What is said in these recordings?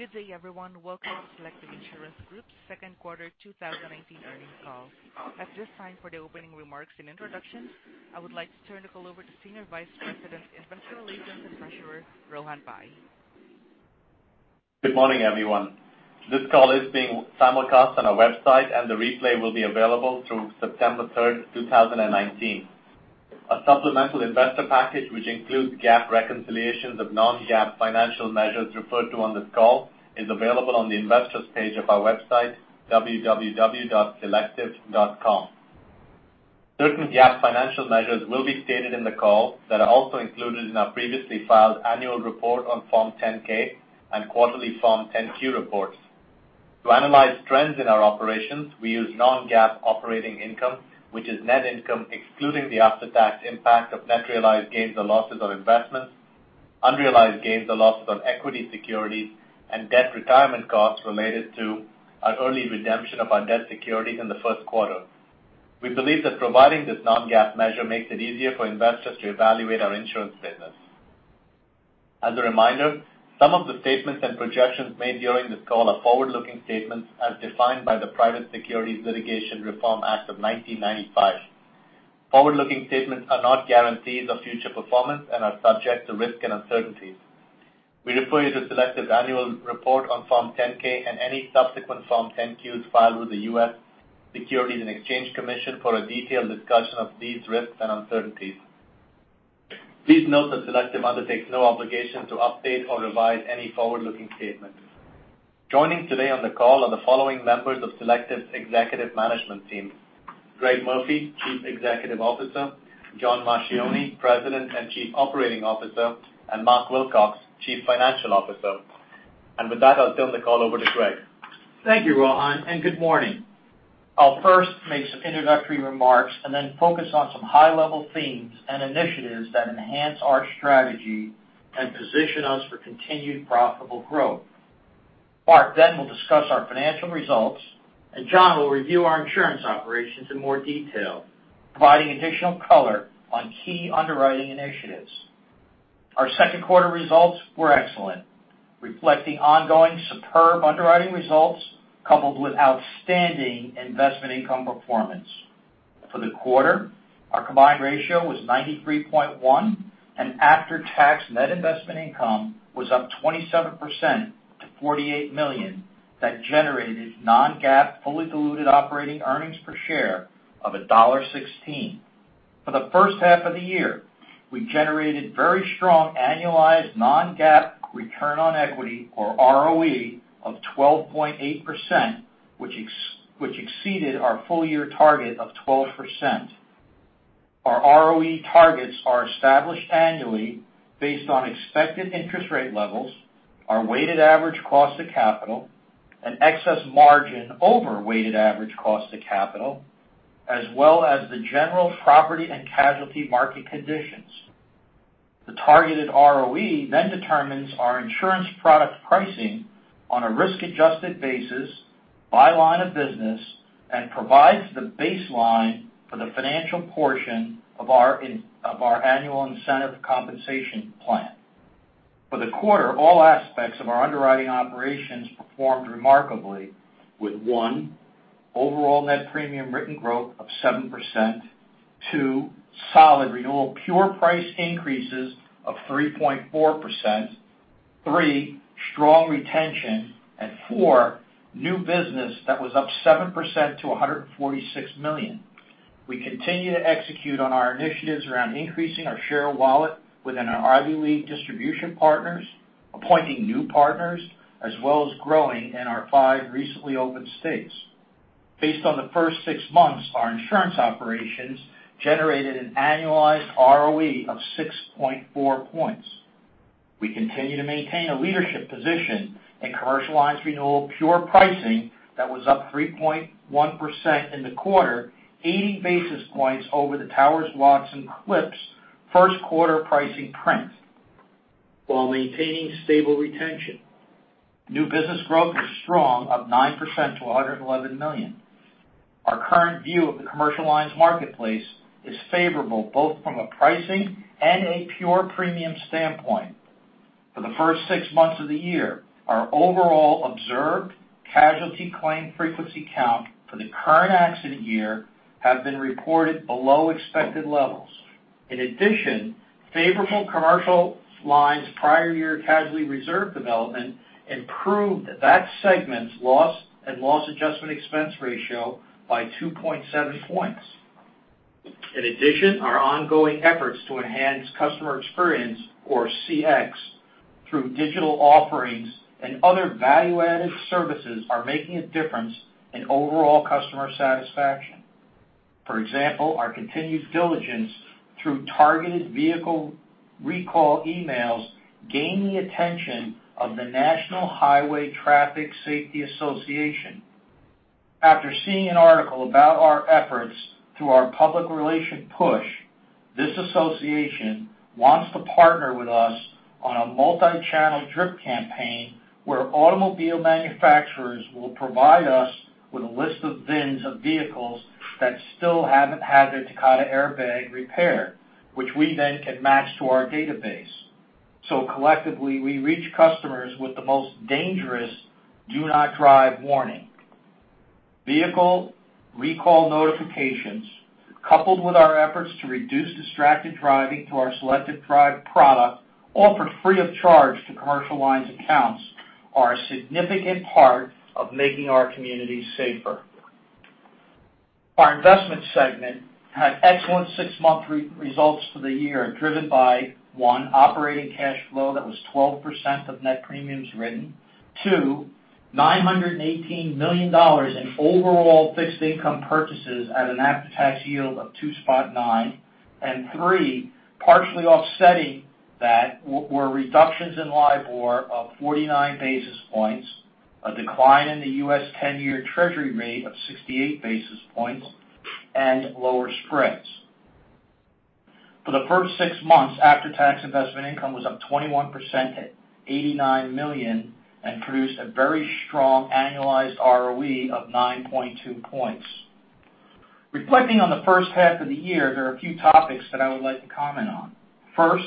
Good day, everyone. Welcome to Selective Insurance Group's second quarter 2019 earnings call. At this time, for the opening remarks and introductions, I would like to turn the call over to Senior Vice President, Investor Relations, and Treasurer, Rohan Pai. Good morning, everyone. This call is being simulcast on our website, and the replay will be available through September 3rd, 2019. A supplemental investor package, which includes GAAP reconciliations of non-GAAP financial measures referred to on this call, is available on the investor's page of our website, www.selective.com. Certain GAAP financial measures will be stated in the call that are also included in our previously filed annual report on Form 10-K and quarterly Form 10-Q reports. To analyze trends in our operations, we use non-GAAP operating income, which is net income excluding the after-tax impact of net realized gains or losses on investments, unrealized gains or losses on equity securities, and debt retirement costs related to our early redemption of our debt securities in the first quarter. We believe that providing this non-GAAP measure makes it easier for investors to evaluate our insurance business. As a reminder, some of the statements and projections made during this call are forward-looking statements as defined by the Private Securities Litigation Reform Act of 1995. Forward-looking statements are not guarantees of future performance and are subject to risk and uncertainties. We refer you to Selective Annual Report on Form 10-K and any subsequent Form 10-Qs filed with the U.S. Securities and Exchange Commission for a detailed discussion of these risks and uncertainties. Please note that Selective undertakes no obligation to update or revise any forward-looking statements. Joining today on the call are the following members of Selective's executive management team: Greg Murphy, Chief Executive Officer, John Marchioni, President and Chief Operating Officer, and Mark Wilcox, Chief Financial Officer. With that, I'll turn the call over to Greg. Thank you, Rohan, and good morning. I'll first make some introductory remarks and then focus on some high-level themes and initiatives that enhance our strategy and position us for continued profitable growth. Mark then will discuss our financial results. John will review our insurance operations in more detail, providing additional color on key underwriting initiatives. Our second quarter results were excellent, reflecting ongoing superb underwriting results coupled with outstanding investment income performance. For the quarter, our combined ratio was 93.1, and after-tax net investment income was up 27% to $48 million that generated non-GAAP, fully diluted operating earnings per share of $1.16. For the first half of the year, we generated very strong annualized non-GAAP return on equity, or ROE, of 12.8%, which exceeded our full-year target of 12%. Our ROE targets are established annually based on expected interest rate levels, our weighted average cost of capital, and excess margin over weighted average cost of capital, as well as the general property and casualty market conditions. The targeted ROE determines our insurance product pricing on a risk-adjusted basis by line of business and provides the baseline for the financial portion of our annual incentive compensation plan. For the quarter, all aspects of our underwriting operations performed remarkably with, one, overall net premium written growth of 7%; two, solid renewal pure price increases of 3.4%; three, strong retention; and four, new business that was up 7% to $146 million. We continue to execute on our initiatives around increasing our share of wallet within our Ivy League distribution partners, appointing new partners, as well as growing in our five recently opened states. Based on the first six months, our insurance operations generated an annualized ROE of 6.4 points. We continue to maintain a leadership position in Commercial Lines renewal pure pricing that was up 3.1% in the quarter, 80 basis points over the Towers Watson CLIPS first quarter pricing print while maintaining stable retention. New business growth was strong, up 9% to $111 million. Our current view of the Commercial Lines marketplace is favorable both from a pricing and a pure premium standpoint. For the first six months of the year, our overall observed casualty claim frequency count for the current accident year have been reported below expected levels. In addition, favorable Commercial Lines prior year casualty reserve development improved that segment's loss and loss adjustment expense ratio by 2.7 points. In addition, our ongoing efforts to enhance customer experience, or CX, through digital offerings and other value-added services are making a difference in overall customer satisfaction. For example, our continued diligence through targeted vehicle recall emails gained the attention of the National Highway Traffic Safety Administration. After seeing an article about our efforts through our public relation push, this Administration wants to partner with us on a multi-channel drip campaign where automobile manufacturers will provide us with a list of VINs of vehicles that still haven't had their Takata airbag repaired, which we then can match to our database. Collectively, we reach customers with the most dangerous do not drive warning. Vehicle recall notifications, coupled with our efforts to reduce distracted driving to our Selective Drive product, offered free of charge to Commercial Lines accounts, are a significant part of making our communities safer. Our investment segment had excellent six-month results for the year, driven by, one, operating cash flow that was 12% of net premiums written. Two, $918 million in overall fixed income purchases at an after-tax yield of 2.9%. Three, partially offsetting that were reductions in LIBOR of 49 basis points, a decline in the US 10-year Treasury rate of 68 basis points, and lower spreads. For the first six months, after-tax investment income was up 21% at $89 million and produced a very strong annualized ROE of 9.2 points. Reflecting on the first half of the year, there are a few topics that I would like to comment on. First,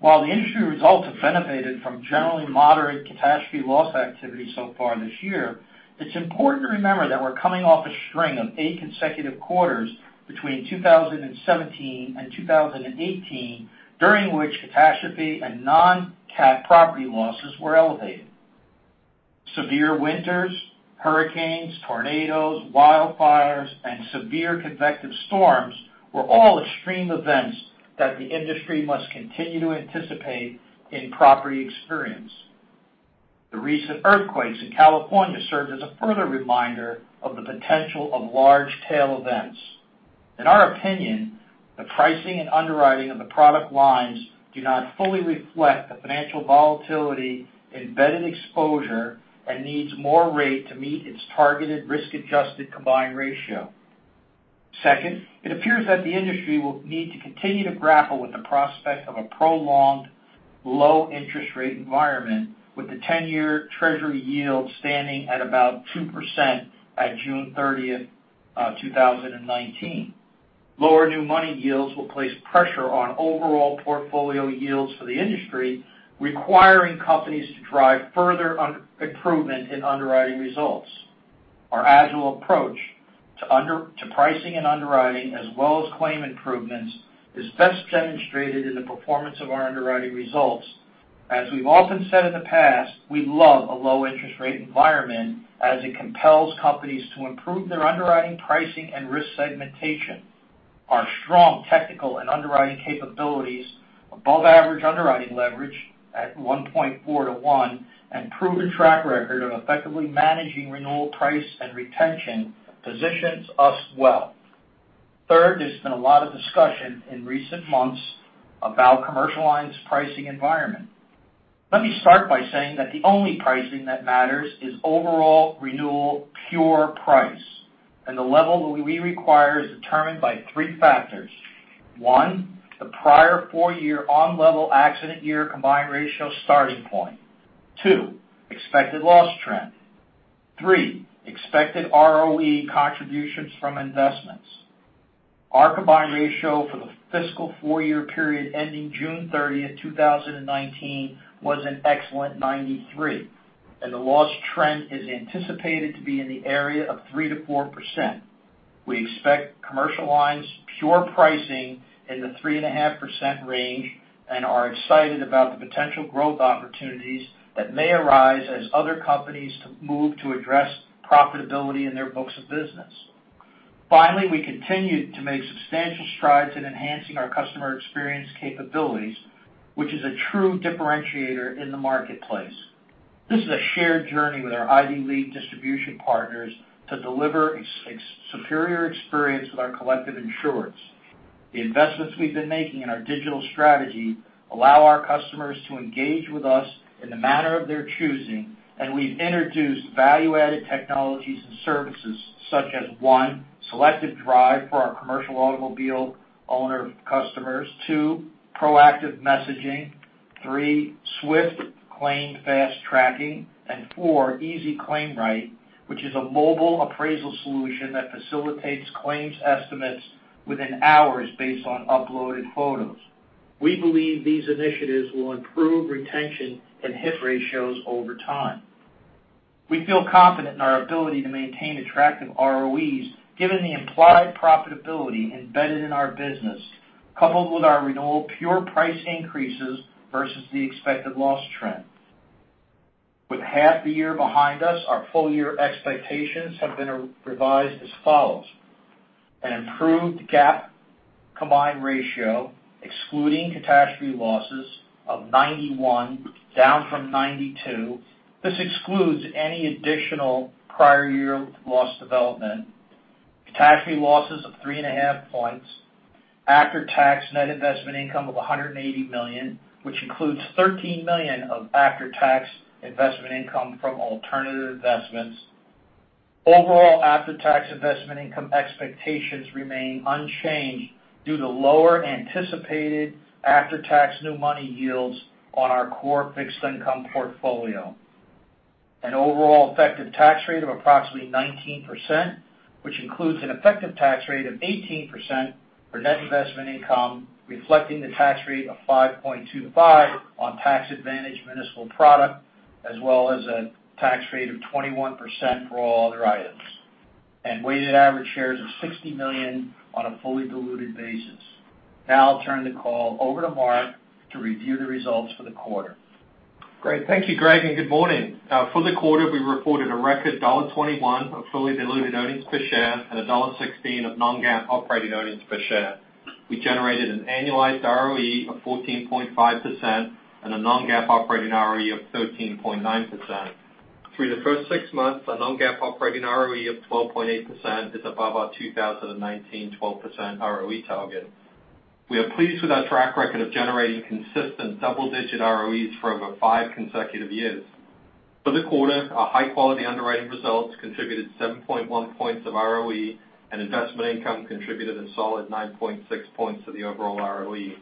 while the industry results have benefited from generally moderate catastrophe loss activity so far this year, it's important to remember that we're coming off a string of eight consecutive quarters between 2017 and 2018, during which catastrophe and non-cat property losses were elevated. Severe winters, hurricanes, tornadoes, wildfires, and severe convective storms were all extreme events that the industry must continue to anticipate in property experience. The recent earthquakes in California served as a further reminder of the potential of large tail events. In our opinion, the pricing and underwriting of the product lines do not fully reflect the financial volatility embedded exposure and needs more rate to meet its targeted risk-adjusted combined ratio. Second, it appears that the industry will need to continue to grapple with the prospect of a prolonged low-interest rate environment with the 10-year Treasury yield standing at about 2% at June 30, 2019. Lower new money yields will place pressure on overall portfolio yields for the industry, requiring companies to drive further improvement in underwriting results. Our agile approach to pricing and underwriting, as well as claim improvements, is best demonstrated in the performance of our underwriting results. As we've often said in the past, we love a low interest rate environment as it compels companies to improve their underwriting, pricing, and risk segmentation. Our strong technical and underwriting capabilities, above average underwriting leverage at 1.4 to 1, and proven track record of effectively managing renewal price and retention positions us well. Third, there's been a lot of discussion in recent months about Commercial Lines pricing environment. Let me start by saying that the only pricing that matters is overall renewal pure price, and the level we require is determined by three factors. One, the prior four-year on-level accident year combined ratio starting point. Two, expected loss trend. Three, expected ROE contributions from investments. Our combined ratio for the fiscal four-year period ending June 30, 2019, was an excellent 93, and the loss trend is anticipated to be in the area of 3%-4%. We expect Commercial Lines pure pricing in the 3.5% range and are excited about the potential growth opportunities that may arise as other companies move to address profitability in their books of business. Finally, we continue to make substantial strides in enhancing our customer experience capabilities, which is a true differentiator in the marketplace. This is a shared journey with our Ivy League distribution partners to deliver a superior experience with our collective insureds. The investments we've been making in our digital strategy allow our customers to engage with us in the manner of their choosing, we've introduced value-added technologies and services such as, one, Selective Drive for our commercial automobile owner customers. Two, proactive messaging. Three, SWIFT claim fast-tracking. Four, EZ Claim Write, which is a mobile appraisal solution that facilitates claims estimates within hours based on uploaded photos. We believe these initiatives will improve retention and hit ratios over time. We feel confident in our ability to maintain attractive ROEs given the implied profitability embedded in our business, coupled with our renewal pure price increases versus the expected loss trend. With half the year behind us, our full-year expectations have been revised as follows. An improved GAAP combined ratio, excluding catastrophe losses, of 91, down from 92. This excludes any additional prior year loss development. Catastrophe losses of 3.5 points. After-tax net investment income of $180 million, which includes $13 million of after-tax investment income from alternative investments. Overall after-tax investment income expectations remain unchanged due to lower anticipated after-tax new money yields on our core fixed income portfolio. An overall effective tax rate of approximately 19%, which includes an effective tax rate of 18% for net investment income, reflecting the tax rate of 5.25% on tax-advantaged municipal product, as well as a tax rate of 21% for all other items, and weighted average shares of 60 million on a fully diluted basis. I'll turn the call over to Mark to review the results for the quarter. Great. Thank you, Greg, and good morning. For the quarter, we reported a record $1.21 of fully diluted earnings per share and $1.16 of non-GAAP operating earnings per share. We generated an annualized ROE of 14.5% and a non-GAAP operating ROE of 13.9%. Through the first six months, a non-GAAP operating ROE of 12.8% is above our 2019 12% ROE target. We are pleased with our track record of generating consistent double-digit ROEs for over five consecutive years. For the quarter, our high-quality underwriting results contributed 7.1 points of ROE, and investment income contributed a solid 9.6 points to the overall ROE.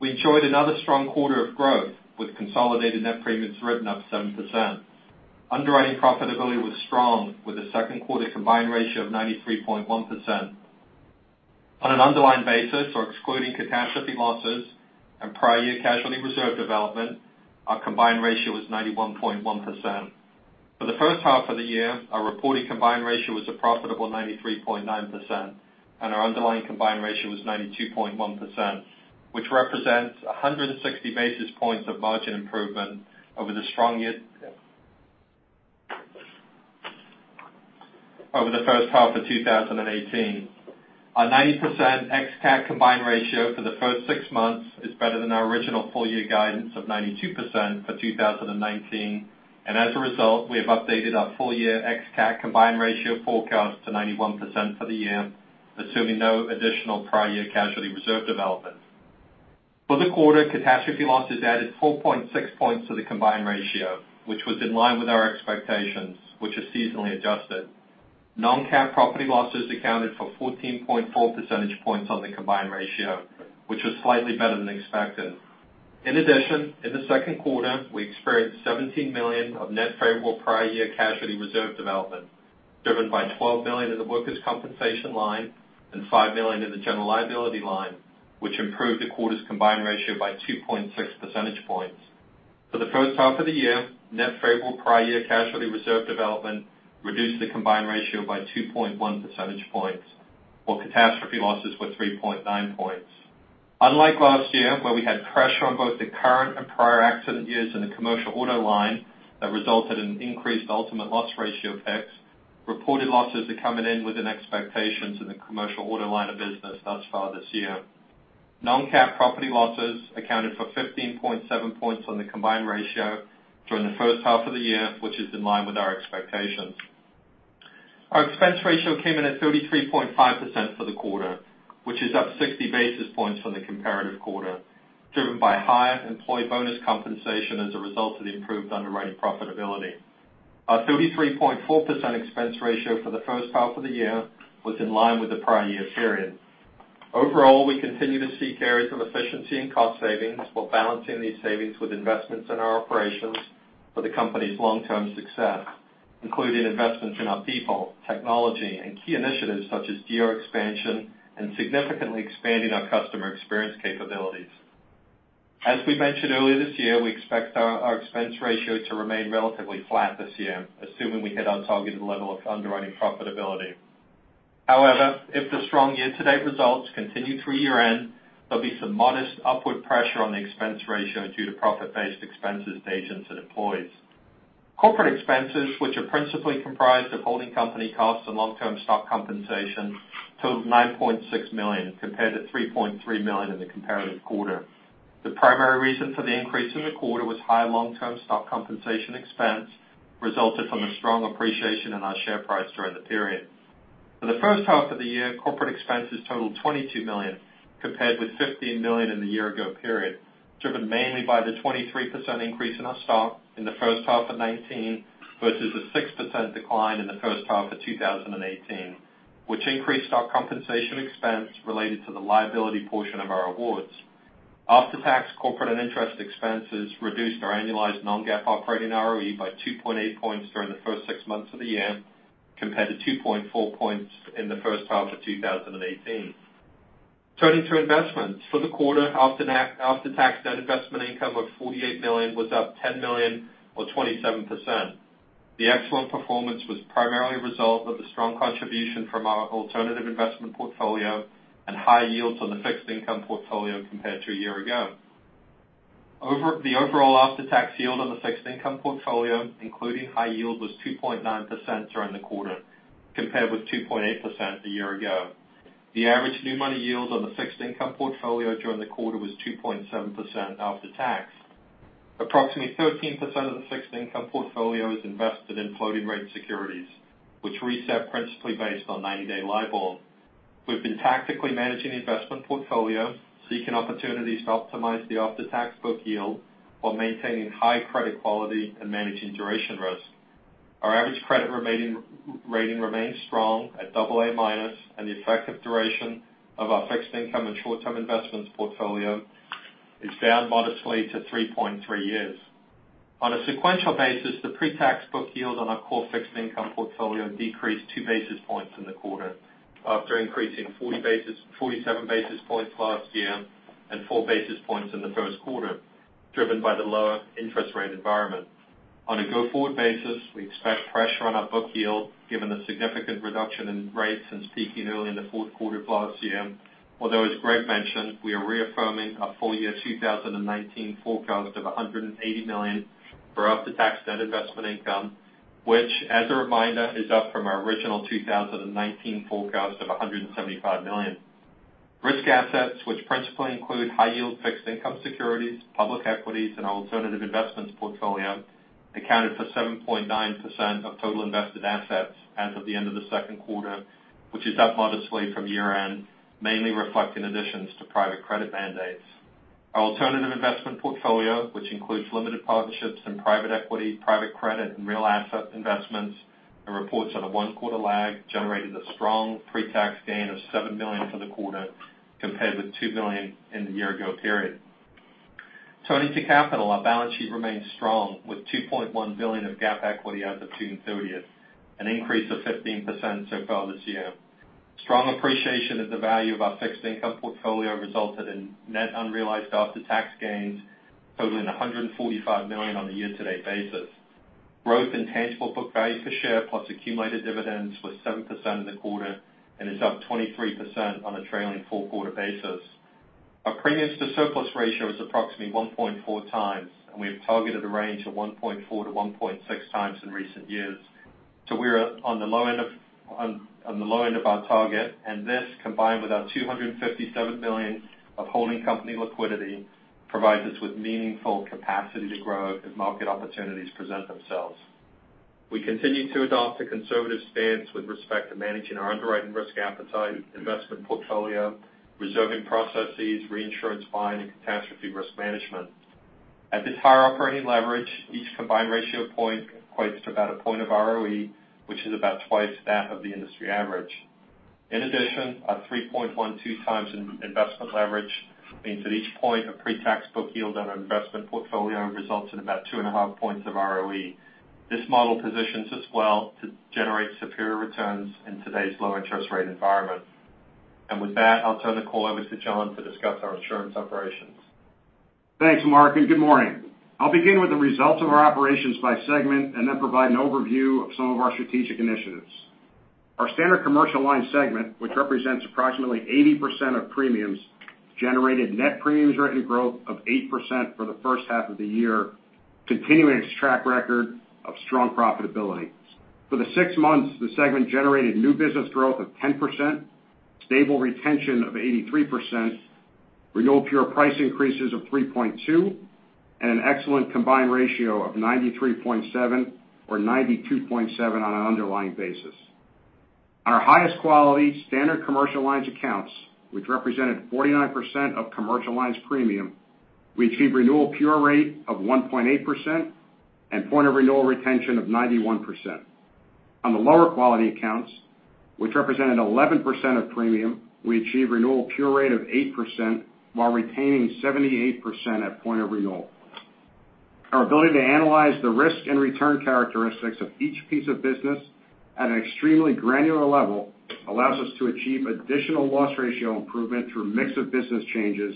We enjoyed another strong quarter of growth, with consolidated net premiums written up 7%. Underwriting profitability was strong with a second quarter combined ratio of 93.1%. On an underlying basis or excluding catastrophe losses and prior year casualty reserve development, our combined ratio was 91.1%. For the first half of the year, our reported combined ratio was a profitable 93.9%. Our underlying combined ratio was 92.1%, which represents 160 basis points of margin improvement over the first half of 2018. Our 90% ex-CAT combined ratio for the first six months is better than our original full-year guidance of 92% for 2019. As a result, we have updated our full-year ex-CAT combined ratio forecast to 91% for the year, assuming no additional prior year casualty reserve development. For the quarter, catastrophe losses added 4.6 points to the combined ratio, which was in line with our expectations, which are seasonally adjusted. Non-CAT property losses accounted for 14.4 percentage points on the combined ratio, which was slightly better than expected. In addition, in the second quarter, we experienced $17 million of net favorable prior year casualty reserve development, driven by $12 million in the Workers' Compensation line and $5 million in the General Liability line, which improved the quarter's combined ratio by 2.6 percentage points. For the first half of the year, net favorable prior year casualty reserve development reduced the combined ratio by 2.1 percentage points, while catastrophe losses were 3.9 points. Unlike last year, where we had pressure on both the current and prior accident years in the Commercial Auto line that resulted in increased ultimate loss ratio picks, reported losses are coming in within expectations in the Commercial Auto line of business thus far this year. Non-CAT property losses accounted for 15.7 points on the combined ratio during the first half of the year, which is in line with our expectations. Our expense ratio came in at 33.5% for the quarter, which is up 60 basis points from the comparative quarter, driven by higher employee bonus compensation as a result of the improved underwriting profitability. Our 33.4% expense ratio for the first half of the year was in line with the prior year period. Overall, we continue to seek areas of efficiency and cost savings while balancing these savings with investments in our operations for the company's long-term success, including investments in our people, technology, and key initiatives such as geo expansion and significantly expanding our customer experience capabilities. As we mentioned earlier this year, we expect our expense ratio to remain relatively flat this year, assuming we hit our targeted level of underwriting profitability. If the strong year-to-date results continue through year-end, there'll be some modest upward pressure on the expense ratio due to profit-based expenses to agents and employees. Corporate expenses, which are principally comprised of holding company costs and long-term stock compensation, totaled $9.6 million, compared to $3.3 million in the comparative quarter. The primary reason for the increase in the quarter was high long-term stock compensation expense resulted from a strong appreciation in our share price during the period. For the first half of the year, corporate expenses totaled $22 million, compared with $15 million in the year-ago period, driven mainly by the 23% increase in our stock in the first half of 2019 versus the 6% decline in the first half of 2018, which increased our compensation expense related to the liability portion of our awards. After-tax corporate and interest expenses reduced our annualized non-GAAP operating ROE by 2.8 points during the first six months of the year, compared to 2.4 points in the first half of 2018. Turning to investments. For the quarter, after-tax net investment income of $48 million was up $10 million or 27%. The excellent performance was primarily a result of the strong contribution from our alternative investment portfolio and high yields on the fixed income portfolio compared to a year-ago. The overall after-tax yield on the fixed income portfolio, including high yield, was 2.9% during the quarter, compared with 2.8% a year-ago. The average new money yield on the fixed income portfolio during the quarter was 2.7% after tax. Approximately 13% of the fixed income portfolio is invested in floating rate securities, which reset principally based on 90-day LIBOR. We've been tactically managing the investment portfolio, seeking opportunities to optimize the after-tax book yield while maintaining high credit quality and managing duration risk. Our average credit rating remains strong at double A minus, and the effective duration of our fixed income and short-term investments portfolio is down modestly to 3.3 years. On a sequential basis, the pre-tax book yield on our core fixed income portfolio decreased two basis points in the quarter after increasing 47 basis points last year and four basis points in the first quarter, driven by the lower interest rate environment. On a go-forward basis, we expect pressure on our book yield given the significant reduction in rates since peaking early in the fourth quarter of last year. Although, as Greg mentioned, we are reaffirming our full year 2019 forecast of $180 million for after-tax net investment income, which, as a reminder, is up from our original 2019 forecast of $175 million. Risk assets, which principally include high yield fixed income securities, public equities, and alternative investments portfolio, accounted for 7.9% of total invested assets as of the end of the second quarter, which is up modestly from year-end, mainly reflecting additions to private credit mandates. Our alternative investment portfolio, which includes limited partnerships in private equity, private credit, and real asset investments, and reports on a one-quarter lag, generated a strong pre-tax gain of $7 million for the quarter, compared with $2 million in the year ago period. Turning to capital, our balance sheet remains strong with $2.1 billion of GAAP equity as of June 30th, an increase of 15% so far this year. Strong appreciation of the value of our fixed income portfolio resulted in net unrealized after-tax gains totaling $145 million on a year-to-date basis. Growth in tangible book value per share plus accumulated dividends was 7% in the quarter and is up 23% on a trailing four-quarter basis. Our premiums to surplus ratio is approximately 1.4x, and we've targeted a range of 1.4x-1.6x in recent years. So we're on the low end of our target, and this, combined with our $257 million of holding company liquidity, provides us with meaningful capacity to grow as market opportunities present themselves. We continue to adopt a conservative stance with respect to managing our underwriting risk appetite, investment portfolio, reserving processes, reinsurance buying, and catastrophe risk management. At this higher operating leverage, each combined ratio point equates to about a point of ROE, which is about 2x that of the industry average. In addition, our 3.12x investment leverage means that each point of pre-tax book yield on our investment portfolio results in about 2.5 points of ROE. This model positions us well to generate superior returns in today's low interest rate environment. And with that, I'll turn the call over to John to discuss our insurance operations. Thanks, Mark, and good morning. I'll begin with the results of our operations by segment and then provide an overview of some of our strategic initiatives. Our Standard Commercial Lines segment, which represents approximately 80% of premiums, generated net premiums written growth of 8% for the first half of the year, continuing its track record of strong profitability. For the six months, the segment generated new business growth of 10%, stable retention of 83%, renewal pure price increases of 3.2%, and an excellent combined ratio of 93.7%, or 92.7% on an underlying basis. Our highest quality Commercial Lines accounts, which represented 49% of Commercial Lines premium, we achieved renewal pure rate of 1.8% and point of renewal retention of 91%. On the lower quality accounts, which represented 11% of premium, we achieved renewal pure rate of 8% while retaining 78% at point of renewal. Our ability to analyze the risk and return characteristics of each piece of business at an extremely granular level allows us to achieve additional loss ratio improvement through mix of business changes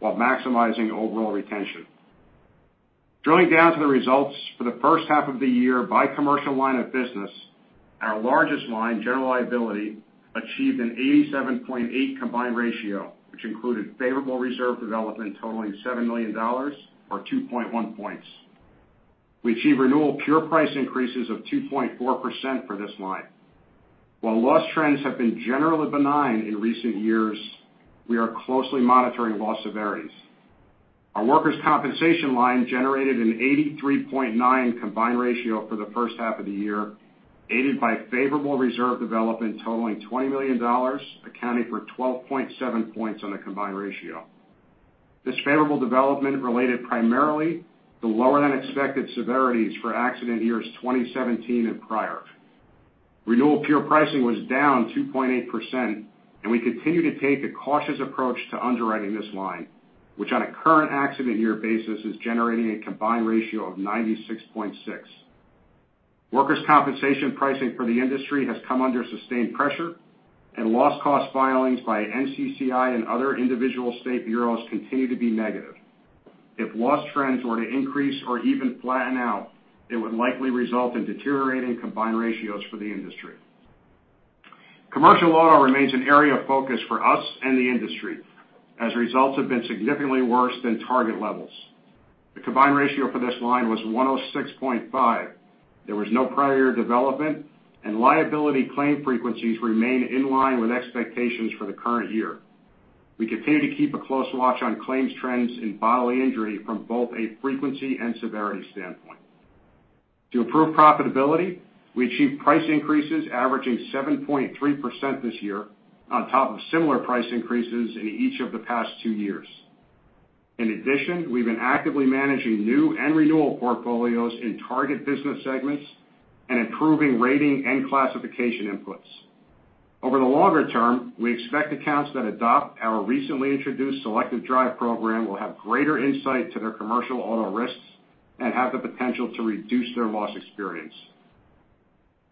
while maximizing overall retention. Drilling down to the results for the first half of the year by commercial line of business, our largest line, general liability, achieved an 87.8 combined ratio, which included favorable reserve development totaling $7 million, or 2.1 points. We achieved renewal pure price increases of 2.4% for this line. While loss trends have been generally benign in recent years, we are closely monitoring loss severities. Our workers' compensation line generated an 83.9 combined ratio for the first half of the year, aided by favorable reserve development totaling $20 million, accounting for 12.7 points on the combined ratio. This favorable development related primarily to lower than expected severities for accident years 2017 and prior. Renewal pure pricing was down 2.8%, and we continue to take a cautious approach to underwriting this line, which on a current accident year basis is generating a combined ratio of 96.6. Workers' compensation pricing for the industry has come under sustained pressure, and loss cost filings by NCCI and other individual state bureaus continue to be negative. If loss trends were to increase or even flatten out, it would likely result in deteriorating combined ratios for the industry. Commercial auto remains an area of focus for us and the industry as results have been significantly worse than target levels. The combined ratio for this line was 106.5. There was no prior year development and liability claim frequencies remain in line with expectations for the current year. We continue to keep a close watch on claims trends in bodily injury from both a frequency and severity standpoint. To improve profitability, we achieved price increases averaging 7.3% this year on top of similar price increases in each of the past two years. In addition, we've been actively managing new and renewal portfolios in target business segments and improving rating and classification inputs. Over the longer term, we expect accounts that adopt our recently introduced Selective Drive program will have greater insight to their commercial auto risks and have the potential to reduce their loss experience.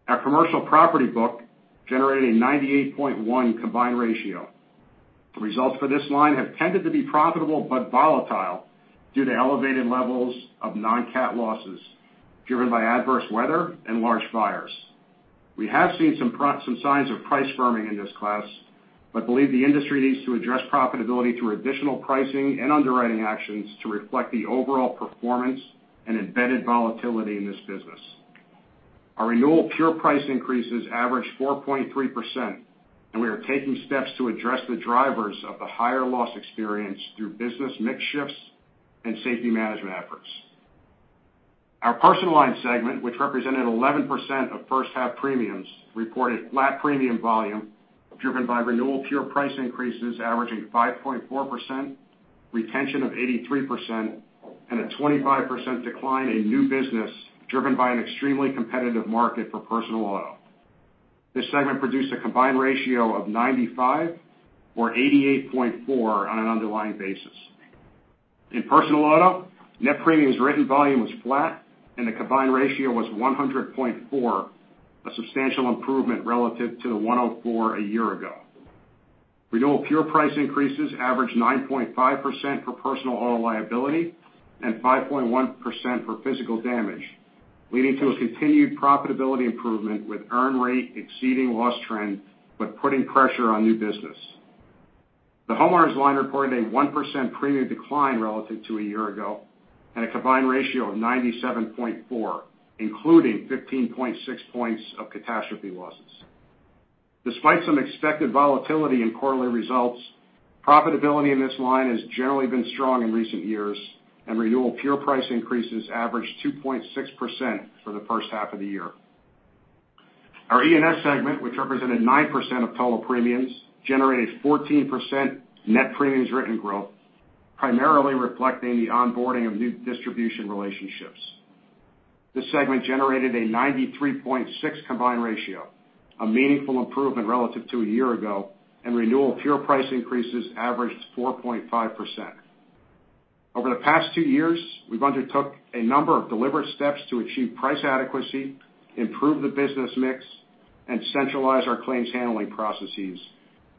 Our commercial property book generated a 98.1 combined ratio. The results for this line have tended to be profitable but volatile due to elevated levels of non-cat losses driven by adverse weather and large fires. We have seen some signs of price firming in this class, but believe the industry needs to address profitability through additional pricing and underwriting actions to reflect the overall performance and embedded volatility in this business. Our renewal pure price increases averaged 4.3%, and we are taking steps to address the drivers of the higher loss experience through business mix shifts and safety management efforts. Our Personal Lines segment, which represented 11% of first half premiums, reported flat premium volume driven by renewal pure price increases averaging 5.4%, retention of 83%, and a 25% decline in new business driven by an extremely competitive market for personal auto. This segment produced a combined ratio of 95 or 88.4 on an underlying basis. In personal auto, net premiums written volume was flat, and the combined ratio was 100.4, a substantial improvement relative to the 104 a year ago. Renewal pure price increases averaged 9.5% for personal auto liability and 5.1% for physical damage, leading to a continued profitability improvement with earn rate exceeding loss trend but putting pressure on new business. The homeowners line reported a 1% premium decline relative to a year ago and a combined ratio of 97.4, including 15.6 points of catastrophe losses. Despite some expected volatility in quarterly results, profitability in this line has generally been strong in recent years, and renewal pure price increases averaged 2.6% for the first half of the year. Our E&S segment, which represented 9% of total premiums, generated 14% net premiums written growth, primarily reflecting the onboarding of new distribution relationships. This segment generated a 93.6 combined ratio, a meaningful improvement relative to a year ago, and renewal pure price increases averaged 4.5%. Over the past two years, we've undertook a number of deliberate steps to achieve price adequacy, improve the business mix, and centralize our claims handling processes,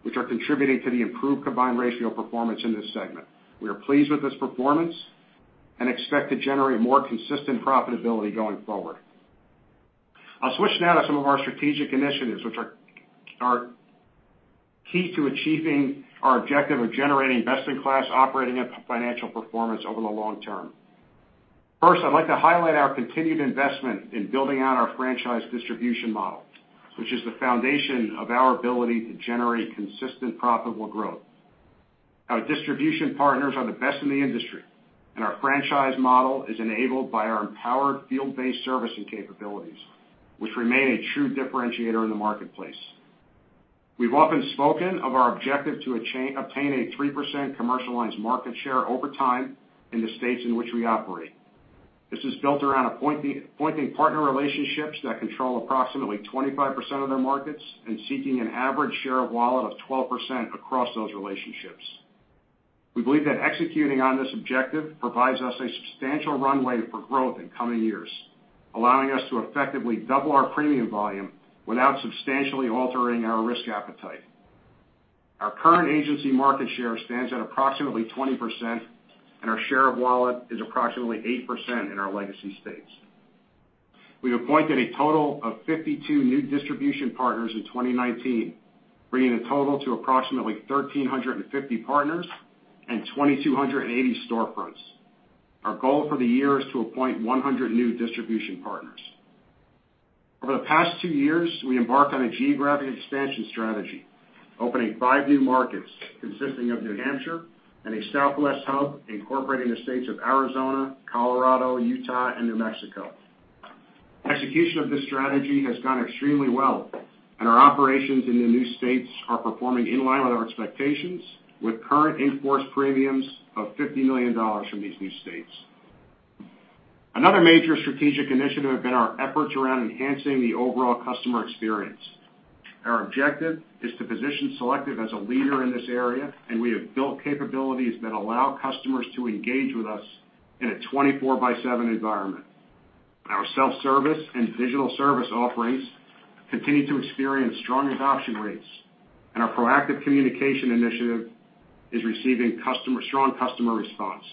which are contributing to the improved combined ratio performance in this segment. We are pleased with this performance and expect to generate more consistent profitability going forward. I'll switch now to some of our strategic initiatives, which are key to achieving our objective of generating best-in-class operating and financial performance over the long term. First, I'd like to highlight our continued investment in building out our franchise distribution model, which is the foundation of our ability to generate consistent profitable growth. Our distribution partners are the best in the industry, and our franchise model is enabled by our empowered field-based servicing capabilities, which remain a true differentiator in the marketplace. We've often spoken of our objective to obtain a 3% commercial lines market share over time in the states in which we operate. This is built around appointing partner relationships that control approximately 25% of their markets and seeking an average share of wallet of 12% across those relationships. We believe that executing on this objective provides us a substantial runway for growth in coming years, allowing us to effectively double our premium volume without substantially altering our risk appetite. Our current agency market share stands at approximately 20%, and our share of wallet is approximately 8% in our legacy states. We've appointed a total of 52 new distribution partners in 2019, bringing the total to approximately 1,350 partners and 2,280 storefronts. Our goal for the year is to appoint 100 new distribution partners. Over the past two years, we embarked on a geographic expansion strategy, opening five new markets consisting of New Hampshire and a Southwest hub incorporating the states of Arizona, Colorado, Utah, and New Mexico. Execution of this strategy has gone extremely well, and our operations in the new states are performing in line with our expectations, with current in-force premiums of $50 million from these new states. Another major strategic initiative have been our efforts around enhancing the overall customer experience. Our objective is to position Selective as a leader in this area, and we have built capabilities that allow customers to engage with us in a 24 by seven environment. Our self-service and digital service offerings continue to experience strong adoption rates, and our proactive communication initiative is receiving strong customer response.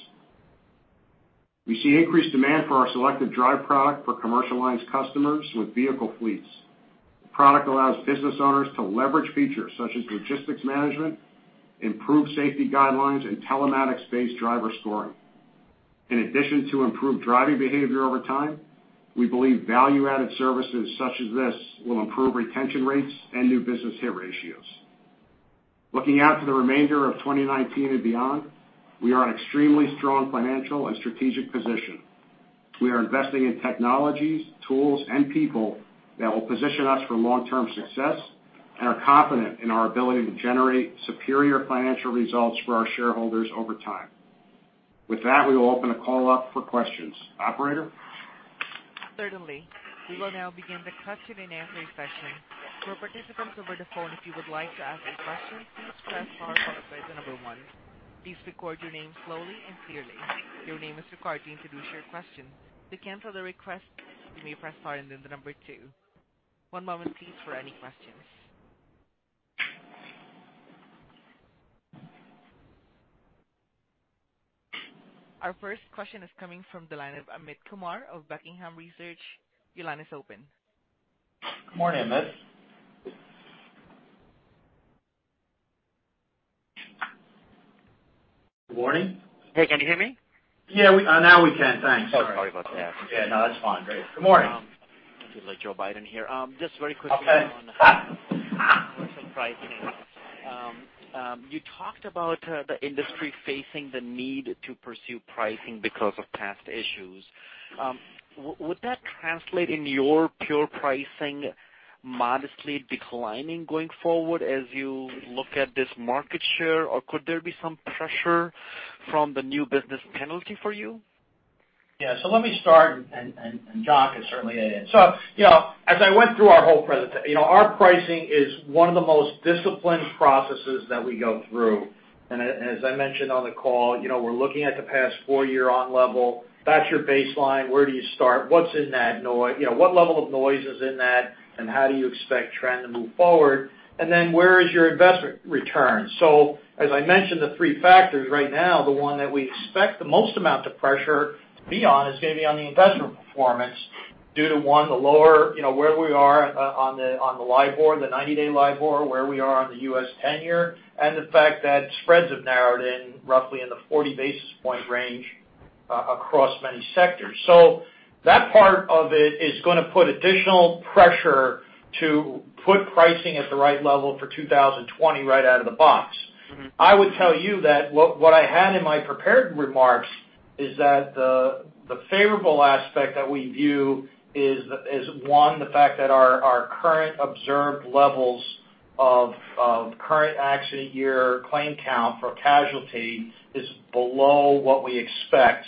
We see increased demand for our Selective Drive product for commercial lines customers with vehicle fleets. The product allows business owners to leverage features such as logistics management, improved safety guidelines, and telematics-based driver scoring. In addition to improved driving behavior over time, we believe value-added services such as this will improve retention rates and new business hit ratios. Looking out to the remainder of 2019 and beyond, we are in extremely strong financial and strategic position. We are investing in technologies, tools, and people that will position us for long-term success and are confident in our ability to generate superior financial results for our shareholders over time. With that, we will open the call up for questions. Operator? Certainly. We will now begin the question and answer session. For participants over the phone, if you would like to ask a question, please press star followed by the number one. Please record your name slowly and clearly. Your name is required to introduce your question. To cancel the request, you may press star and then the number two. One moment please, for any questions. Our first question is coming from the line of Amit Kumar of Buckingham Research. Your line is open. Good morning, Amit. Good morning? Hey, can you hear me? Yeah. Now we can. Thanks. Sorry. Sorry about that. Yeah, no, that's fine. Great. Good morning. Feeling like Joe Biden here. Just very quickly. Okay. On commercial pricing. You talked about the industry facing the need to pursue pricing because of past issues. Would that translate into your pure pricing modestly declining going forward as you look at this market share, or could there be some pressure from the new business penalty for you? Let me start, and John can certainly add in. As I went through our whole presentation, our pricing is one of the most disciplined processes that we go through. As I mentioned on the call, we're looking at the past 4-year on level. That's your baseline. Where do you start? What's in that noise? What level of noise is in that, and how do you expect trend to move forward? Where is your investment return? As I mentioned, the three factors right now, the one that we expect the most amount of pressure to be on is going to be on the investment performance due to, one, where we are on the 90-day LIBOR, where we are on the US 10-year Treasury, and the fact that spreads have narrowed in roughly in the 40 basis point range across many sectors. That part of it is going to put additional pressure to put pricing at the right level for 2020 right out of the box. I would tell you that what I had in my prepared remarks is that the favorable aspect that we view is, 1, the fact that our current observed levels of current accident year claim count for casualty is below what we expect.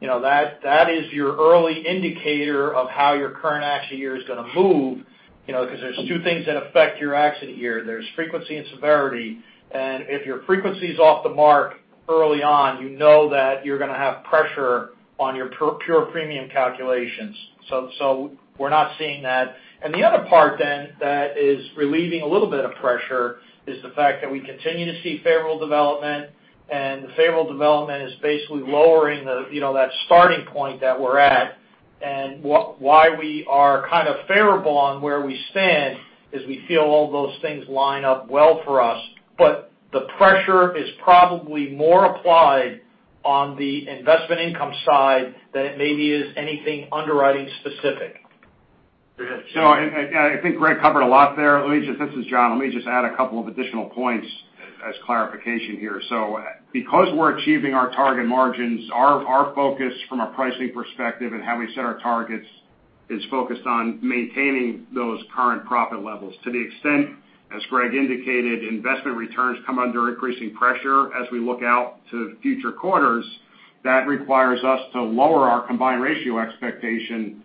That is your early indicator of how your current accident year is going to move, because there's 2 things that affect your accident year. There's frequency and severity. If your frequency's off the mark early on, you know that you're going to have pressure on your pure premium calculations. We're not seeing that. The other part then that is relieving a little bit of pressure is the fact that we continue to see favorable development, and the favorable development is basically lowering that starting point that we're at. Why we are kind of favorable on where we stand is we feel all those things line up well for us. The pressure is probably more applied on the investment income side than it maybe is anything underwriting specific. Go ahead. I think Greg covered a lot there. This is John. Let me just add a couple of additional points as clarification here. Because we're achieving our target margins, our focus from a pricing perspective and how we set our targets is focused on maintaining those current profit levels to the extent, as Greg indicated, investment returns come under increasing pressure as we look out to future quarters. That requires us to lower our combined ratio expectation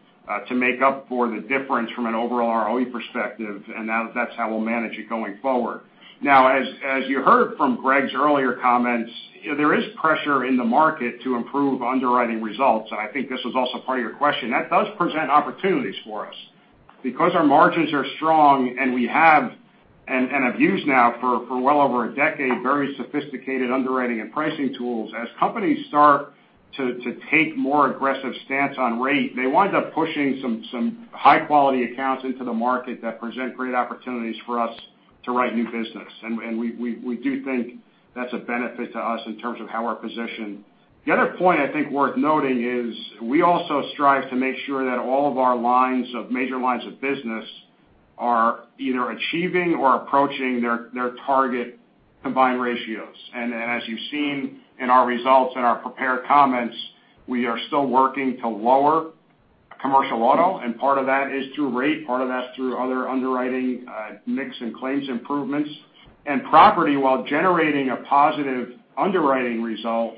to make up for the difference from an overall ROE perspective, and that's how we'll manage it going forward. As you heard from Greg's earlier comments, there is pressure in the market to improve underwriting results, and I think this was also part of your question. That does present opportunities for us. Because our margins are strong and we have, and have used now for well over a decade, very sophisticated underwriting and pricing tools, as companies start to take more aggressive stance on rate, they wind up pushing some high-quality accounts into the market that present great opportunities for us to write new business. We do think that's a benefit to us in terms of how we're positioned. The other point I think worth noting is we also strive to make sure that all of our major lines of business are either achieving or approaching their target combined ratios. As you've seen in our results, in our prepared comments, we are still working to lower Commercial Auto, and part of that is through rate, part of that's through other underwriting mix and claims improvements. Commercial Property, while generating a positive underwriting result,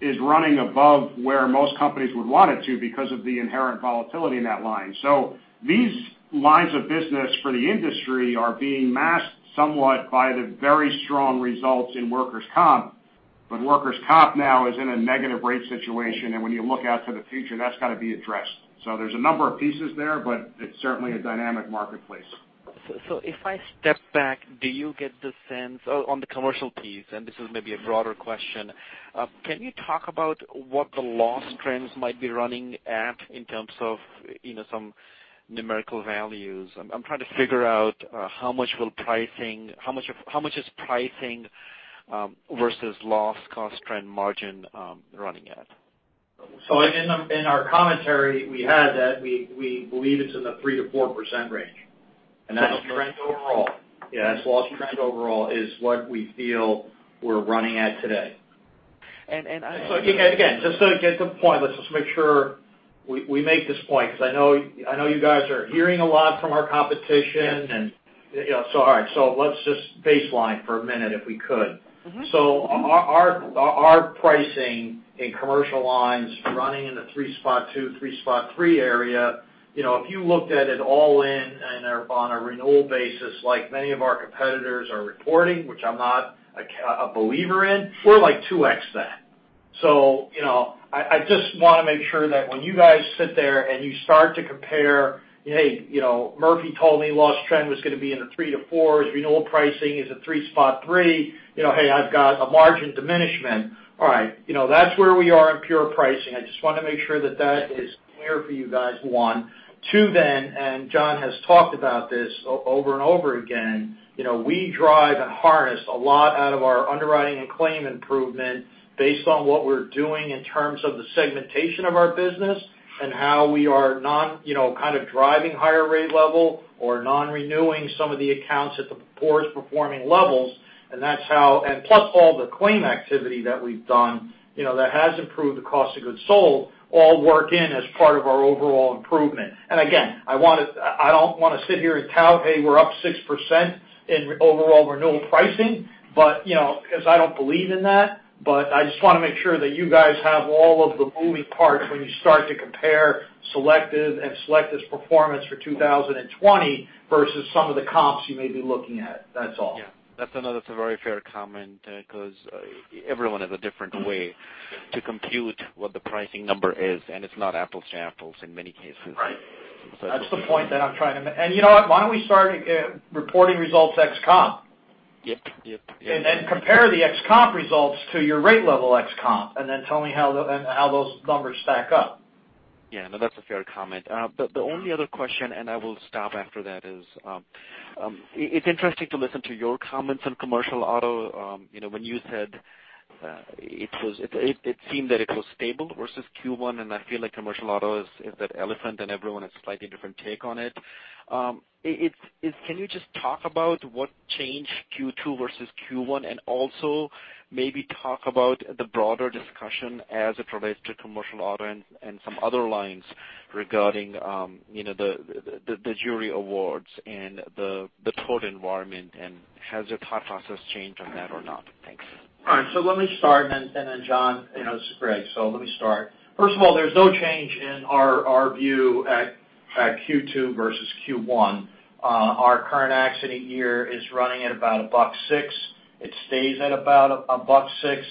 is running above where most companies would want it to because of the inherent volatility in that line. These lines of business for the industry are being masked somewhat by the very strong results in Workers' Comp. Workers' Comp now is in a negative rate situation, and when you look out to the future, that's got to be addressed. There's a number of pieces there, but it's certainly a dynamic marketplace. If I step back, do you get the sense, on the commercial piece, and this is maybe a broader question, can you talk about what the loss trends might be running at in terms of some numerical values? I'm trying to figure out how much is pricing versus loss cost trend margin running at. In our commentary, we had that we believe it's in the 3%-4% range. That's loss trend overall. Yeah, that's loss trend overall is what we feel we're running at today. And I- Again, just to get to the point, let's just make sure we make this point, because I know you guys are hearing a lot from our competition and all right. Let's just baseline for a minute, if we could. Our pricing in Commercial Lines running in the 3.2, 3.3 area. If you looked at it all in and on a renewal basis, like many of our competitors are reporting, which I'm not a believer in, we're like 2x then. I just want to make sure that when you guys sit there and you start to compare, hey, Murphy told me lost trend was going to be in the 3 to fours. Renewal pricing is a 3.3. Hey, I've got a margin diminishment. All right. That's where we are in pure pricing. I just want to make sure that that is clear for you guys, one. Two, John has talked about this over and over again. We drive and harness a lot out of our underwriting and claim improvement based on what we're doing in terms of the segmentation of our business and how we are kind of driving higher rate level or non-renewing some of the accounts at the poorest performing levels. That's how, and plus all the claim activity that we've done that has improved the cost of goods sold all work in as part of our overall improvement. Again, I don't want to sit here and tout, hey, we're up 6% in overall renewal pricing, because I don't believe in that. I just want to make sure that you guys have all of the moving parts when you start to compare Selective and Selective's performance for 2020 versus some of the comps you may be looking at. That's all. Yeah. That's another very fair comment, because everyone has a different way to compute what the pricing number is, and it's not apples to apples in many cases. Right. That's the point that I'm trying to make. You know what? Why don't we start reporting results ex comp? Yep. Compare the ex comp results to your rate level ex comp, and then tell me how those numbers stack up. Yeah, no, that's a fair comment. The only other question, and I will stop after that is, it's interesting to listen to your comments on Commercial Auto. When you said it seemed that it was stable versus Q1, and I feel like Commercial Auto is that elephant and everyone has a slightly different take on it. Can you just talk about what changed Q2 versus Q1, and also maybe talk about the broader discussion as it relates to Commercial Auto and some other lines regarding the jury awards and the tort environment, and has your thought process changed on that or not? Thanks. All right. Let me start, and then John, it's great. Let me start. First of all, there's no change in our view at Q2 versus Q1. Our current accident year is running at about 106%. It stays at about 106%.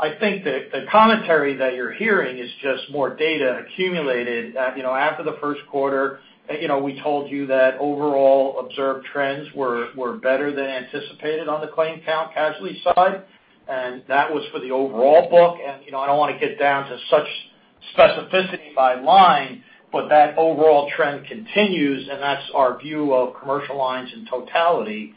I think that the commentary that you're hearing is just more data accumulated. After the first quarter, we told you that overall observed trends were better than anticipated on the claim count casualty side, and that was for the overall book. I don't want to get down to such specificity by line, but that overall trend continues, and that's our view of Commercial Lines in totality.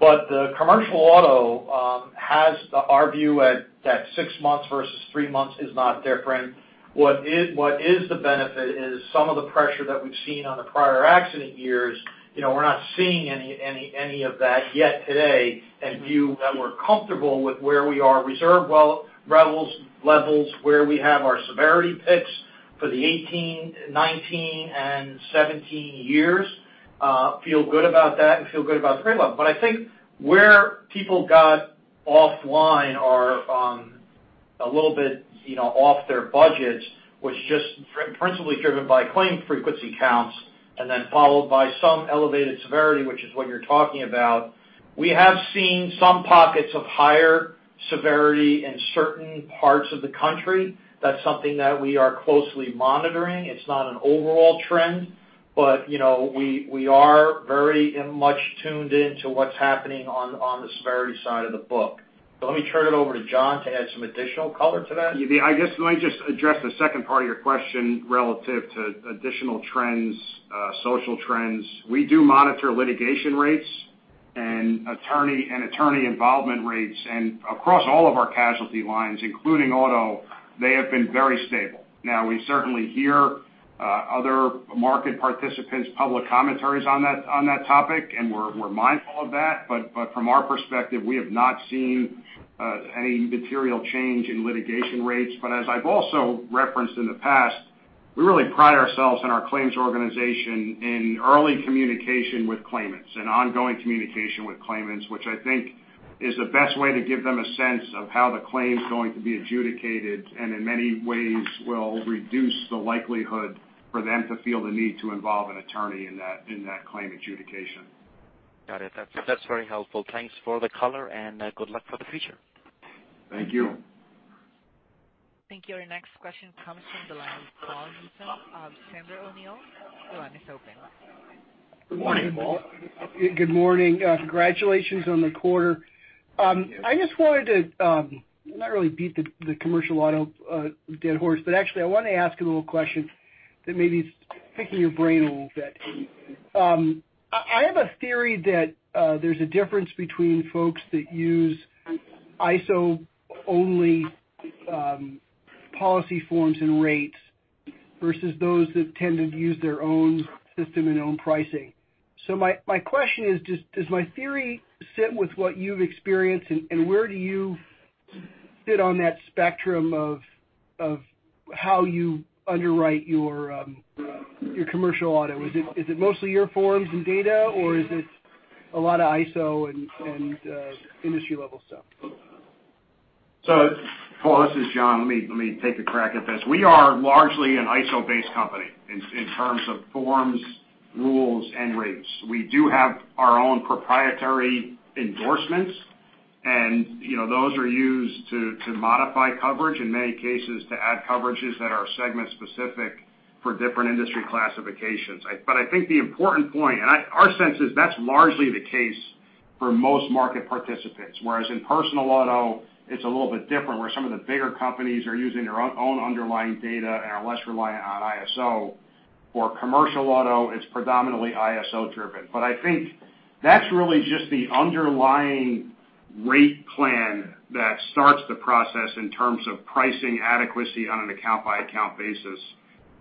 The Commercial Auto has our view at that six months versus three months is not different. What is the benefit is some of the pressure that we've seen on the prior accident years. We're not seeing any of that yet today and view that we're comfortable with where we are reserve levels, where we have our severity picks for the 2018, 2019, and 2017 years. Feel good about that, and feel good about the rate level. I think where people got offline or a little bit off their budgets was just principally driven by claim frequency counts, and then followed by some elevated severity, which is what you're talking about. We have seen some pockets of higher severity in certain parts of the country. That's something that we are closely monitoring. It's not an overall trend, but we are very much tuned into what's happening on the severity side of the book. Let me turn it over to John to add some additional color to that. Yeah. Let me just address the second part of your question relative to additional trends, social trends. We do monitor litigation rates and attorney involvement rates. Across all of our casualty lines, including auto, they have been very stable. Now, we certainly hear other market participants' public commentaries on that topic, and we're mindful of that. From our perspective, we have not seen any material change in litigation rates. As I've also referenced in the past, we really pride ourselves in our claims organization in early communication with claimants, and ongoing communication with claimants, which I think is the best way to give them a sense of how the claim's going to be adjudicated, and in many ways will reduce the likelihood for them to feel the need to involve an attorney in that claim adjudication. Got it. That's very helpful. Thanks for the color, and good luck for the future. Thank you. Thank you. Our next question comes from the line of Paul Newsome of Sandler O'Neill. Your line is open. Good morning. Good morning. Good morning. Congratulations on the quarter. I just wanted to not really beat the Commercial Auto dead horse, but actually I want to ask a little question that maybe is picking your brain a little bit. I have a theory that there's a difference between folks that use ISO only policy forms and rates versus those that tend to use their own system and own pricing. My question is, does my theory sit with what you've experienced, and where do you fit on that spectrum of how you underwrite your Commercial Auto? Is it mostly your forms and data, or is it a lot of ISO and industry-level stuff? Paul, this is John. Let me take a crack at this. We are largely an ISO-based company in terms of forms, rules, and rates. We do have our own proprietary endorsements and those are used to modify coverage, in many cases, to add coverages that are segment-specific for different industry classifications. I think the important point, and our sense is that's largely the case for most market participants. Whereas in Personal Auto, it's a little bit different, where some of the bigger companies are using their own underlying data and are less reliant on ISO. For Commercial Auto, it's predominantly ISO-driven. I think that's really just the underlying rate plan that starts the process in terms of pricing adequacy on an account-by-account basis.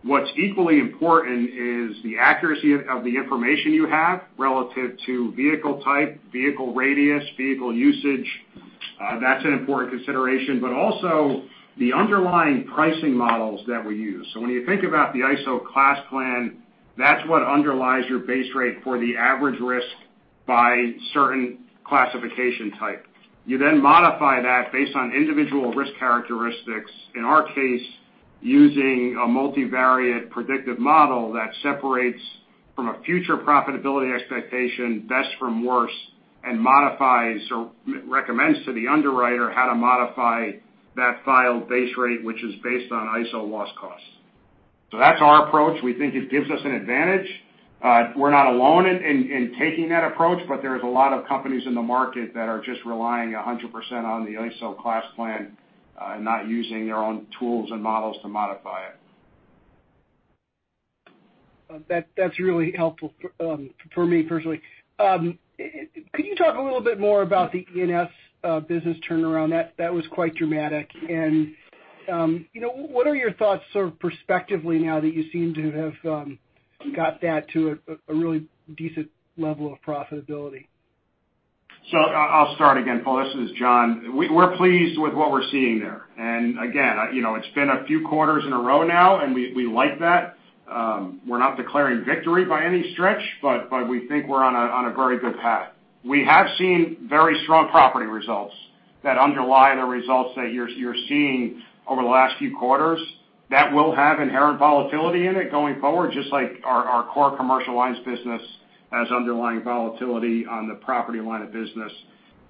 What's equally important is the accuracy of the information you have relative to vehicle type, vehicle radius, vehicle usage. That's an important consideration. Also the underlying pricing models that we use. When you think about the ISO class plan, that's what underlies your base rate for the average risk by certain classification type. You modify that based on individual risk characteristics. In our case, using a multivariate predictive model that separates from a future profitability expectation, best from worse, and modifies or recommends to the underwriter how to modify that filed base rate, which is based on ISO loss costs. That's our approach. We think it gives us an advantage. We're not alone in taking that approach, there's a lot of companies in the market that are just relying 100% on the ISO class plan, and not using their own tools and models to modify it. That's really helpful for me personally. Could you talk a little bit more about the E&S business turnaround? That was quite dramatic. What are your thoughts sort of perspectively now that you seem to have got that to a really decent level of profitability? I'll start again, Paul. This is John. We're pleased with what we're seeing there. Again, it's been a few quarters in a row now, and we like that. We're not declaring victory by any stretch, but we think we're on a very good path. We have seen very strong property results that underlie the results that you're seeing over the last few quarters. That will have inherent volatility in it going forward, just like our core commercial lines business has underlying volatility on the property line of business.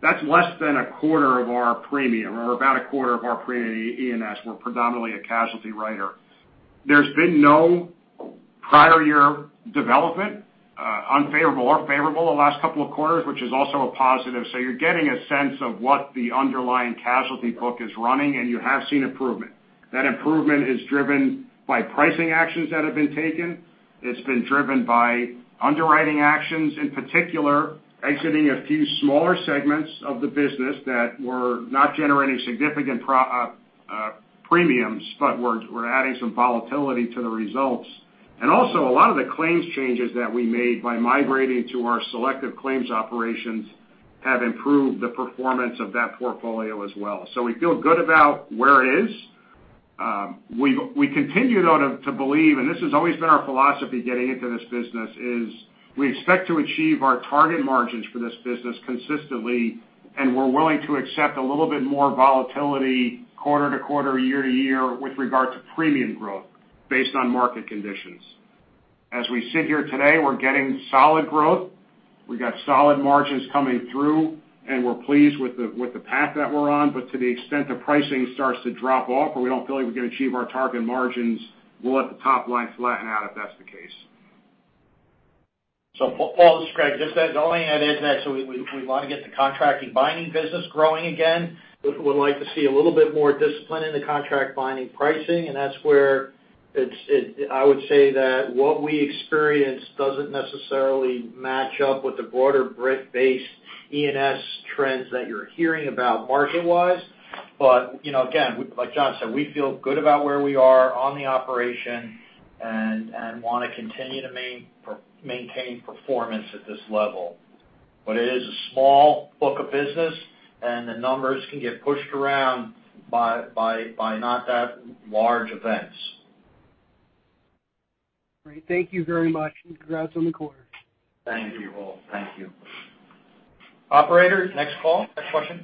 That's less than a quarter of our premium, or about a quarter of our premium E&S. We're predominantly a casualty writer. There's been no prior year development, unfavorable or favorable the last couple of quarters, which is also a positive. You're getting a sense of what the underlying casualty book is running, and you have seen improvement. That improvement is driven by pricing actions that have been taken. It's been driven by underwriting actions, in particular, exiting a few smaller segments of the business that were not generating significant premiums, but were adding some volatility to the results. Also a lot of the claims changes that we made by migrating to our Selective claims operations have improved the performance of that portfolio as well. We feel good about where it is. We continue, though, to believe, and this has always been our philosophy getting into this business, is we expect to achieve our target margins for this business consistently, and we're willing to accept a little bit more volatility quarter to quarter, year to year with regard to premium growth based on market conditions. As we sit here today, we're getting solid growth. We got solid margins coming through, and we're pleased with the path that we're on. To the extent the pricing starts to drop off or we don't feel like we can achieve our target margins, we'll let the top line flatten out if that's the case. Paul, this is Greg. Just to add to that, we want to get the contracting binding business growing again. We'd like to see a little bit more discipline in the contract binding pricing, and that's where I would say that what we experience doesn't necessarily match up with the broader brokerage-based E&S trends that you're hearing about market-wise. Again, like John said, we feel good about where we are on the operation, and want to continue to maintain performance at this level. It is a small book of business, and the numbers can get pushed around by not that large events. Great. Thank you very much, congrats on the quarter. Thank you, Paul. Thank you. Operator, next call. Next question.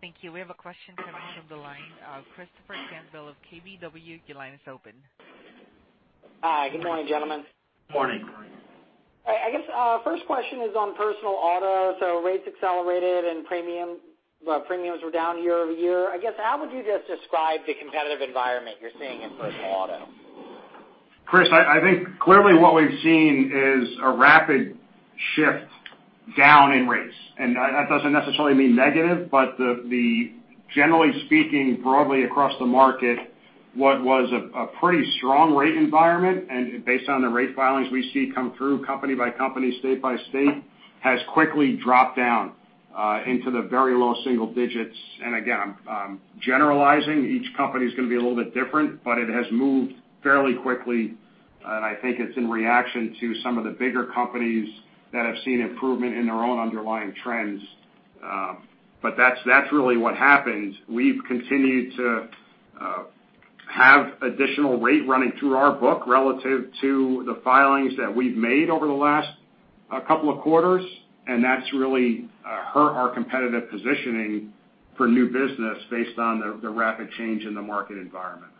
Thank you. We have a question coming from the line of Christopher Campbell of KBW. Your line is open. Hi. Good morning, gentlemen. Morning. Morning. I guess first question is on personal auto. Rates accelerated and premiums were down year-over-year. I guess how would you just describe the competitive environment you're seeing in personal auto? Chris, I think clearly what we've seen is a rapid shift down in rates. That doesn't necessarily mean negative, generally speaking, broadly across the market, what was a pretty strong rate environment, and based on the rate filings we see come through company by company, state by state, has quickly dropped down into the very low single digits. Again, I'm generalizing. Each company is going to be a little bit different, it has moved fairly quickly, and I think it's in reaction to some of the bigger companies that have seen improvement in their own underlying trends. That's really what happens. We've continued to have additional rate running through our book relative to the filings that we've made over the last couple of quarters, and that's really hurt our competitive positioning for new business based on the rapid change in the market environment.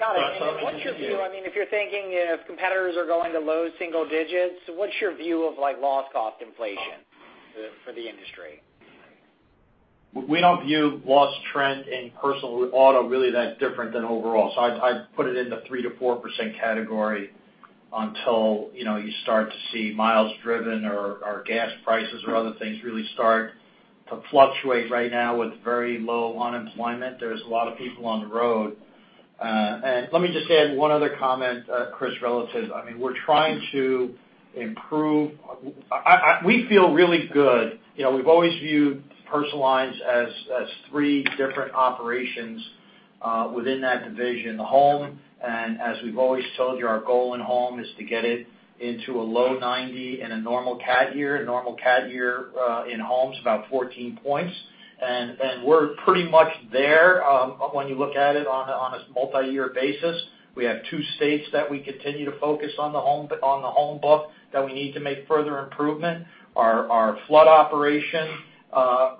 Got it. What's your view, if you're thinking if competitors are going to low single digits, what's your view of loss cost inflation for the industry? We don't view loss trend in Personal Auto really that different than overall. I'd put it in the 3%-4% category until you start to see miles driven or gas prices or other things really start to fluctuate. Right now with very low unemployment, there's a lot of people on the road. Let me just add one other comment, Chris, relative. We're trying to improve. We feel really good. We've always viewed Personal Lines as three different operations within that division. The home, as we've always told you, our goal in home is to get it into a low 90 in a normal CAT year. A normal CAT year in home's about 14 points. We're pretty much there when you look at it on a multi-year basis. We have two states that we continue to focus on the home book that we need to make further improvement. Our flood operation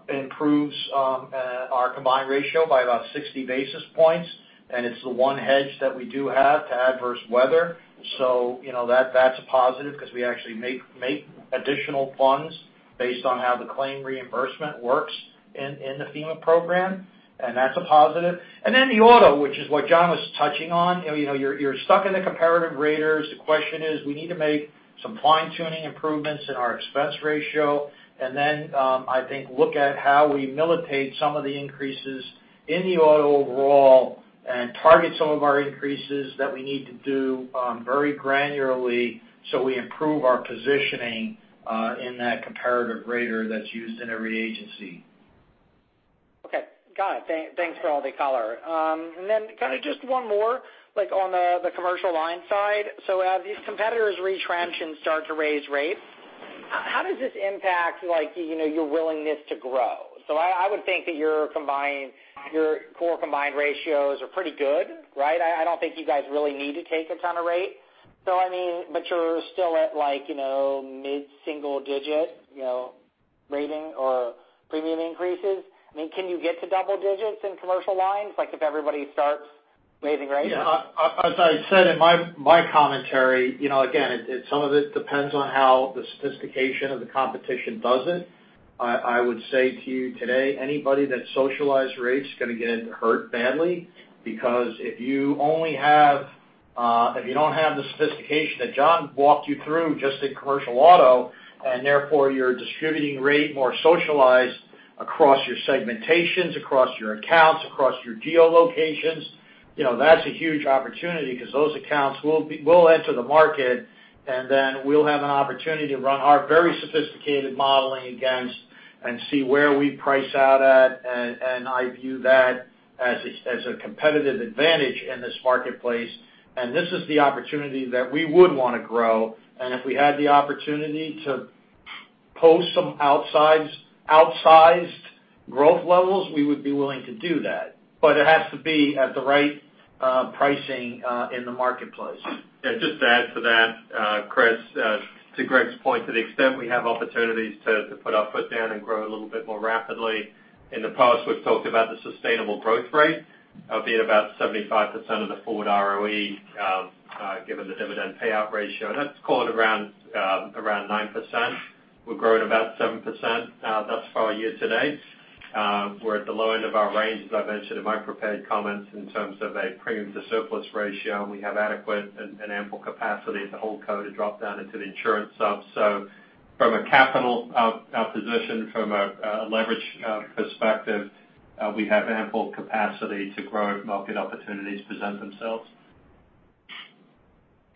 improves our combined ratio by about 60 basis points, and it's the one hedge that we do have to adverse weather. That's a positive because we actually make additional funds based on how the claim reimbursement works in the FEMA program, and that's a positive. Then the auto, which is what John was touching on. You're stuck in the comparative raters. The question is, we need to make some fine-tuning improvements in our expense ratio, then, I think look at how we militate some of the increases in the auto overall and target some of our increases that we need to do very granularly so we improve our positioning in that comparative rater that's used in every agency. Okay. Got it. Thanks for all the color. Then just one more on the Commercial Lines side. As these competitors retrench and start to raise rates, how does this impact your willingness to grow? I would think that your core combined ratios are pretty good, right? I don't think you guys really need to take a ton of rate. You're still at mid-single digit rating or premium increases. Can you get to double digits in Commercial Lines, if everybody starts raising rates? As I said in my commentary, again, some of it depends on how the sophistication of the competition does it. I would say to you today, anybody that socialized rates is going to get hurt badly because if you don't have the sophistication that John walked you through just in Commercial Auto, therefore you're distributing rate more socialized across your segmentations, across your accounts, across your geo-locations, that's a huge opportunity because those accounts will enter the market, then we'll have an opportunity to run our very sophisticated modeling against and see where we price out at. I view that as a competitive advantage in this marketplace. This is the opportunity that we would want to grow. If we had the opportunity to post some outsized growth levels, we would be willing to do that. It has to be at the right pricing in the marketplace. Just to add to that, Chris, to Greg's point, to the extent we have opportunities to put our foot down and grow a little bit more rapidly. In the past, we've talked about the sustainable growth rate of being about 75% of the forward ROE given the dividend payout ratio. That's called around 9%. We've grown about 7% thus far year-to-date. We're at the low end of our range, as I mentioned in my prepared comments, in terms of a premium to surplus ratio, and we have adequate and ample capacity at the holdco to drop down into the insurance subs. From a capital position, from a leverage perspective, we have ample capacity to grow if market opportunities present themselves.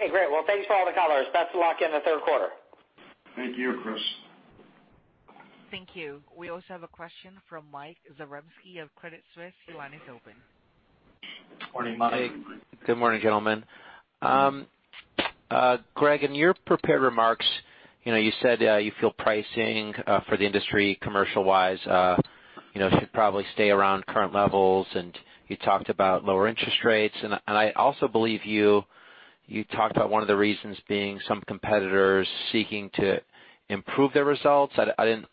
Okay, great. Well, thanks for all the colors. Best to luck in the third quarter. Thank you, Chris. Thank you. We also have a question from Michael Zaremski of Credit Suisse. Your line is open. Morning, Mike. Good morning, gentlemen. Greg, in your prepared remarks, you said you feel pricing for the industry commercial-wise should probably stay around current levels. You talked about lower interest rates. I also believe you talked about one of the reasons being some competitors seeking to improve their results. If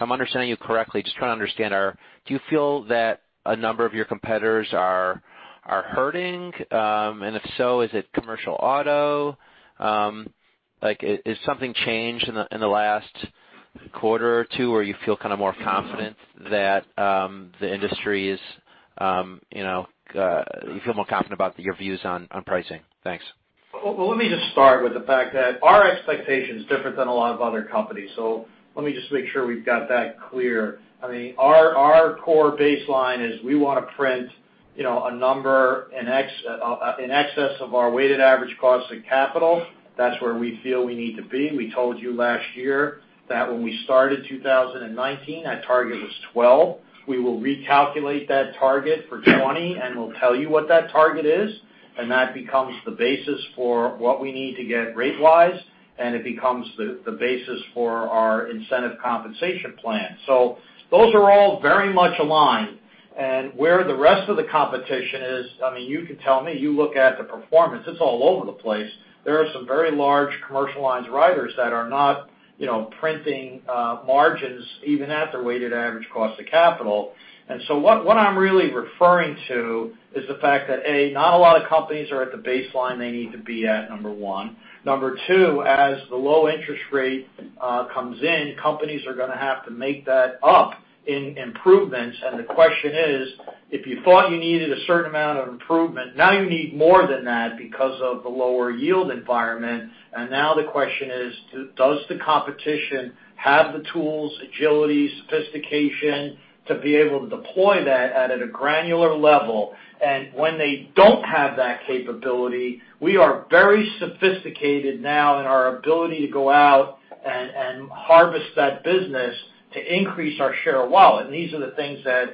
I'm understanding you correctly, just trying to understand, do you feel that a number of your competitors are hurting? If so, is it Commercial Auto? Has something changed in the last quarter or two where you feel more confident about your views on pricing? Thanks. Let me just start with the fact that our expectation is different than a lot of other companies. Let me just make sure we've got that clear. Our core baseline is we want to print A number in excess of our weighted average cost of capital. That's where we feel we need to be. We told you last year that when we started 2019, our target was 12. We will recalculate that target for 2020, and we'll tell you what that target is, and that becomes the basis for what we need to get rate-wise, and it becomes the basis for our incentive compensation plan. Those are all very much aligned. Where the rest of the competition is, you can tell me, you look at the performance, it's all over the place. There are some very large Commercial Lines writers that are not printing margins even at their weighted average cost of capital. What I'm really referring to is the fact that, A, not a lot of companies are at the baseline they need to be at, number 1. Number 2, as the low interest rate comes in, companies are going to have to make that up in improvements. The question is, if you thought you needed a certain amount of improvement, now you need more than that because of the lower yield environment. The question is, does the competition have the tools, agility, sophistication to be able to deploy that at a granular level? When they don't have that capability, we are very sophisticated now in our ability to go out and harvest that business to increase our share of wallet. These are the things that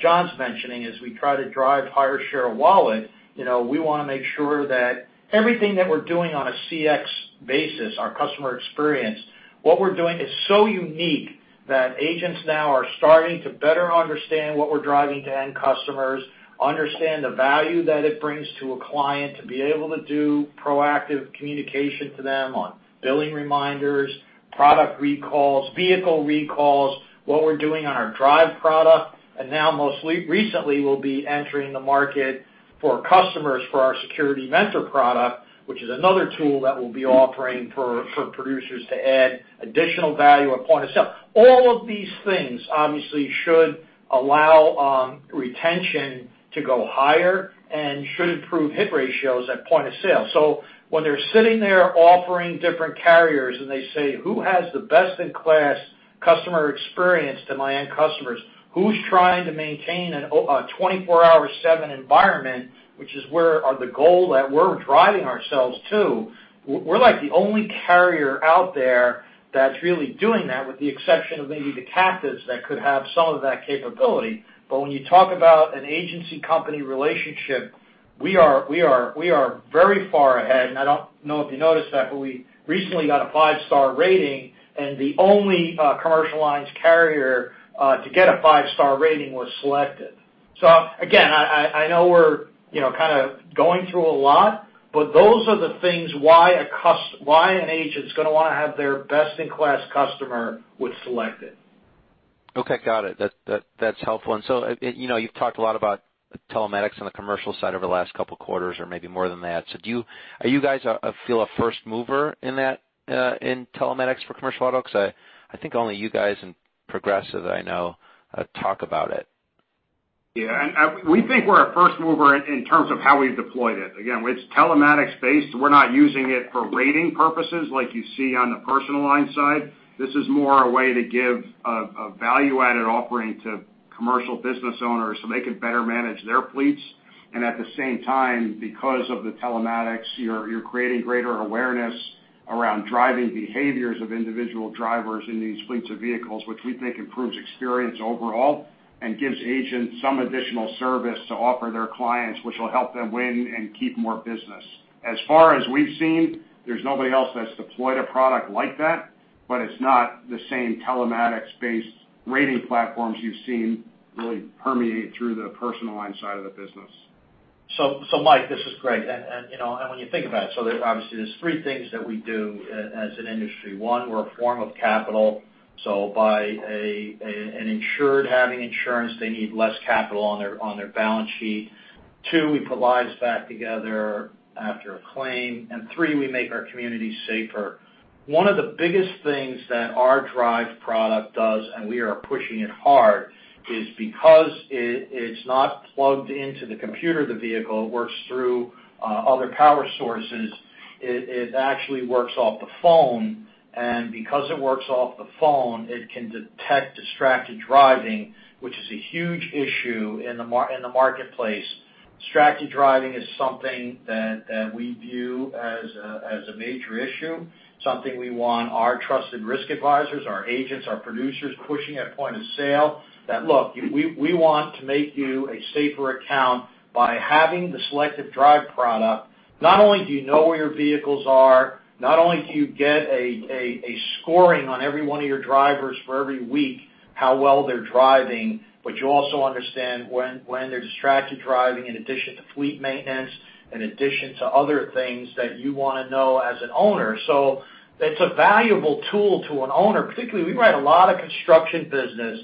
John's mentioning as we try to drive higher share of wallet. We want to make sure that everything that we're doing on a CX basis, our customer experience, what we're doing is so unique that agents now are starting to better understand what we're driving to end customers, understand the value that it brings to a client to be able to do proactive communication to them on billing reminders, product recalls, vehicle recalls, what we're doing on our Selective Drive product. Now, most recently, we'll be entering the market for customers for our security vendor product, which is another tool that we'll be offering for producers to add additional value at point of sale. All of these things obviously should allow retention to go higher and should improve hit ratios at point of sale. When they're sitting there offering different carriers and they say, "Who has the best-in-class customer experience to my end customers? Who's trying to maintain a 24/7 environment?" Which is the goal that we're driving ourselves to. We're like the only carrier out there that's really doing that, with the exception of maybe the captives that could have some of that capability. When you talk about an agency-company relationship, we are very far ahead. I don't know if you noticed that, but we recently got a five-star rating, and the only Commercial Lines carrier to get a five-star rating was Selective. Again, I know we're kind of going through a lot, but those are the things why an agent's going to want to have their best-in-class customer with Selective. Okay, got it. That's helpful. You've talked a lot about telematics on the commercial side over the last couple of quarters or maybe more than that. Are you guys feel a first mover in telematics for Commercial Auto? Because I think only you guys and Progressive, I know, talk about it. Yeah. We think we're a first mover in terms of how we've deployed it. Again, it's telematics based. We're not using it for rating purposes like you see on the personal line side. This is more a way to give a value-added offering to commercial business owners so they can better manage their fleets. At the same time, because of the telematics, you're creating greater awareness around driving behaviors of individual drivers in these fleets of vehicles, which we think improves experience overall and gives agents some additional service to offer their clients, which will help them win and keep more business. As far as we've seen, there's nobody else that's deployed a product like that, but it's not the same telematics-based rating platforms you've seen really permeate through the personal line side of the business. Mike, this is Greg. When you think about it, obviously there's three things that we do as an industry. One, we're a form of capital. By an insured having insurance, they need less capital on their balance sheet. Two, we put lives back together after a claim. Three, we make our communities safer. One of the biggest things that our Selective Drive product does, and we are pushing it hard, is because it's not plugged into the computer of the vehicle, it works through other power sources. It actually works off the phone, and because it works off the phone, it can detect distracted driving, which is a huge issue in the marketplace. Distracted driving is something that we view as a major issue, something we want our trusted risk advisors, our agents, our producers pushing at point of sale. That, look, we want to make you a safer account by having the Selective Drive product. Not only do you know where your vehicles are, not only do you get a scoring on every one of your drivers for every week, how well they're driving, but you also understand when they're distracted driving in addition to fleet maintenance, in addition to other things that you want to know as an owner. It's a valuable tool to an owner. Particularly, we write a lot of construction business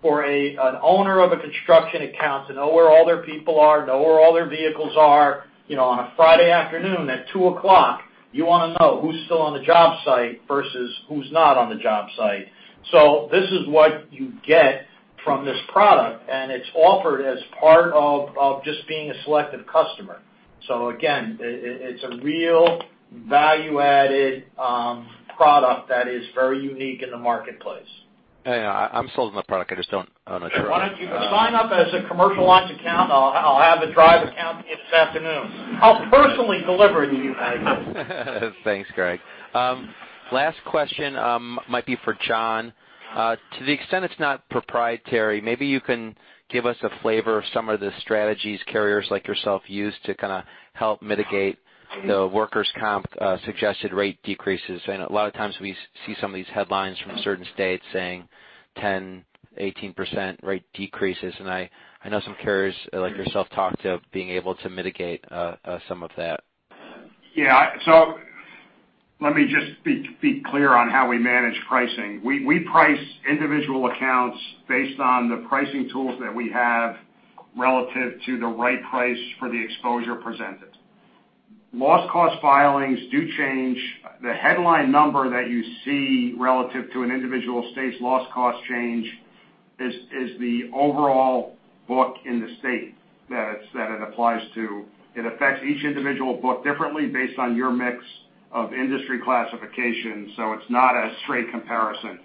for an owner of a construction account to know where all their people are, know where all their vehicles are. On a Friday afternoon at two o'clock, you want to know who's still on the job site versus who's not on the job site. This is what you get from this product, and it's offered as part of just being a Selective customer. Again, it's a real value-added product that is very unique in the marketplace. Yeah, I'm sold on the product, I'm not sure. Why don't you sign up as a Commercial Lines account? I'll have a Drive account this afternoon. I'll personally deliver you, Mike. Thanks, Greg. Last question might be for John. To the extent it's not proprietary, maybe you can give us a flavor of some of the strategies carriers like yourself use to help mitigate the Workers' Comp suggested rate decreases. I know a lot of times we see some of these headlines from certain states saying 10%, 18% rate decreases. I know some carriers like yourself talked of being able to mitigate some of that. Let me just be clear on how we manage pricing. We price individual accounts based on the pricing tools that we have relative to the right price for the exposure presented. Loss cost filings do change. The headline number that you see relative to an individual state's loss cost change is the overall book in the state that it applies to. It affects each individual book differently based on your mix of industry classification, so it's not a straight comparison.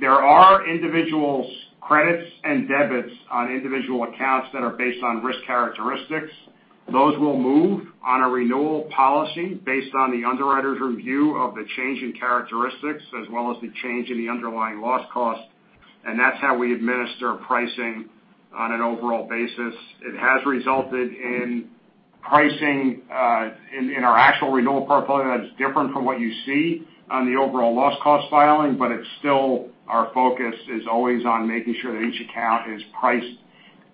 There are individuals' credits and debits on individual accounts that are based on risk characteristics. Those will move on a renewal policy based on the underwriter's review of the change in characteristics, as well as the change in the underlying loss cost. That's how we administer pricing on an overall basis. It has resulted in pricing, in our actual renewal portfolio that's different from what you see on the overall loss cost filing. It's still our focus is always on making sure that each account is priced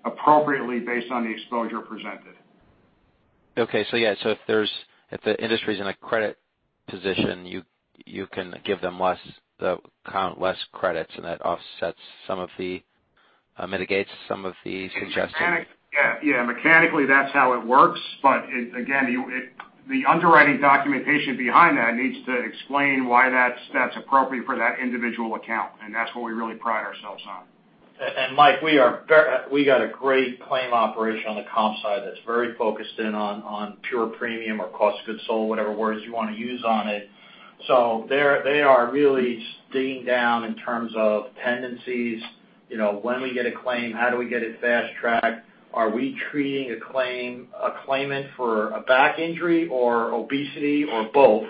appropriately based on the exposure presented. If the industry's in a credit position, you can give them less credits. Mechanically, that's how it works. Again, the underwriting documentation behind that needs to explain why that's appropriate for that individual account, that's what we really pride ourselves on. Mike, we got a great claim operation on the comp side that's very focused in on pure premium or cost of goods sold, whatever words you want to use on it. They are really digging down in terms of tendencies. When we get a claim, how do we get it fast-tracked? Are we treating a claimant for a back injury or obesity or both?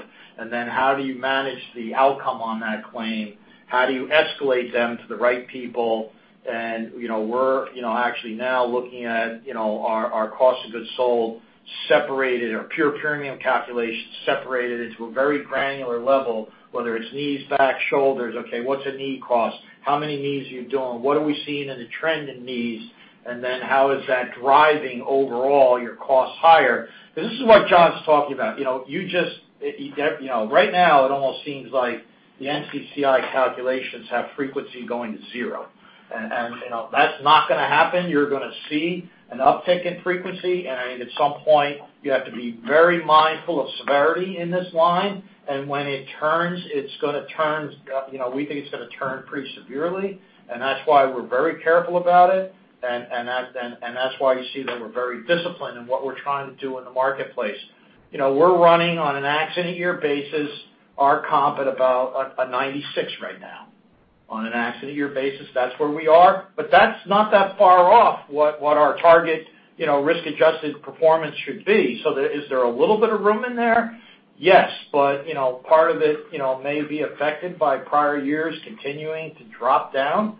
Then how do you manage the outcome on that claim? How do you escalate them to the right people? We're actually now looking at our cost of goods sold separated, our pure premium calculation separated into a very granular level, whether it's knees, back, shoulders. Okay, what's a knee cost? How many knees are you doing? What are we seeing in the trend in knees? Then how is that driving overall your cost higher? Because this is what John's talking about. Right now, it almost seems like the NCCI calculations have frequency going to 0. That's not going to happen. You're going to see an uptick in frequency. I think at some point you have to be very mindful of severity in this line. When it turns, we think it's going to turn pretty severely, that's why we're very careful about it. That's why you see that we're very disciplined in what we're trying to do in the marketplace. We're running on an accident year basis, our comp at about a 96 right now. On an accident year basis, that's where we are, but that's not that far off what our target risk-adjusted performance should be. Is there a little bit of room in there? Yes. Part of it may be affected by prior years continuing to drop down.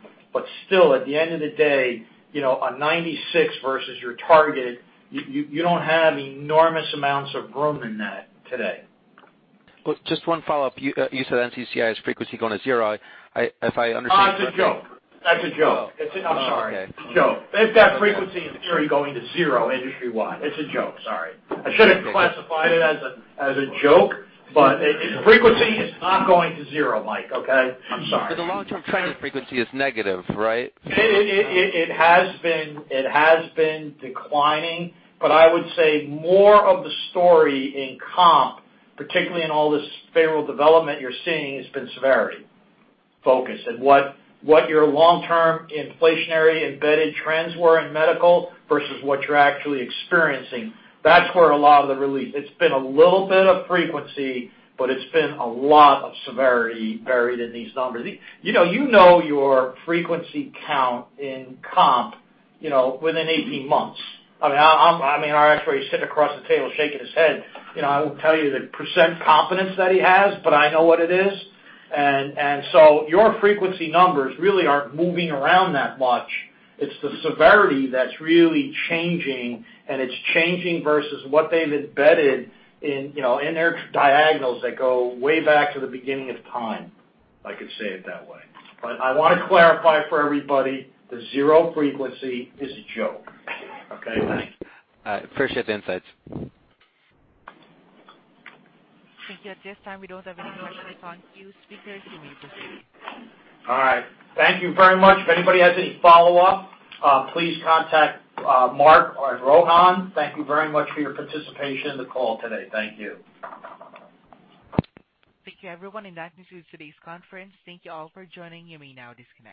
Still, at the end of the day, a 96 versus your target, you don't have enormous amounts of room in that today. Just one follow-up. You said NCCI has frequency going to 0. If I understand That's a joke. I'm sorry. Oh, okay. Joke. They've got frequency in theory going to zero industry-wide. It's a joke. Sorry. I should have classified it as a joke, but frequency is not going to zero, Mike. Okay? I'm sorry. The long-term trend in frequency is negative, right? It has been declining, I would say more of the story in comp, particularly in all this favorable development you're seeing, has been severity focus and what your long-term inflationary embedded trends were in medical versus what you're actually experiencing. That's where a lot of the release. It's been a little bit of frequency, but it's been a lot of severity buried in these numbers. You know your frequency count in comp within 18 months. Our actuary is sitting across the table shaking his head. I won't tell you the percent confidence that he has, but I know what it is. Your frequency numbers really aren't moving around that much. It's the severity that's really changing, and it's changing versus what they've embedded in their diagonals that go way back to the beginning of time. If I could say it that way. I want to clarify for everybody that zero frequency is a joke. Okay, Mike? Appreciate the insights. Thank you. At this time, we don't have any more questions on queue. Speakers, you may disconnect. All right. Thank you very much. If anybody has any follow-up, please contact Mark or Rohan. Thank you very much for your participation in the call today. Thank you. Thank you, everyone. That concludes today's conference. Thank you all for joining. You may now disconnect.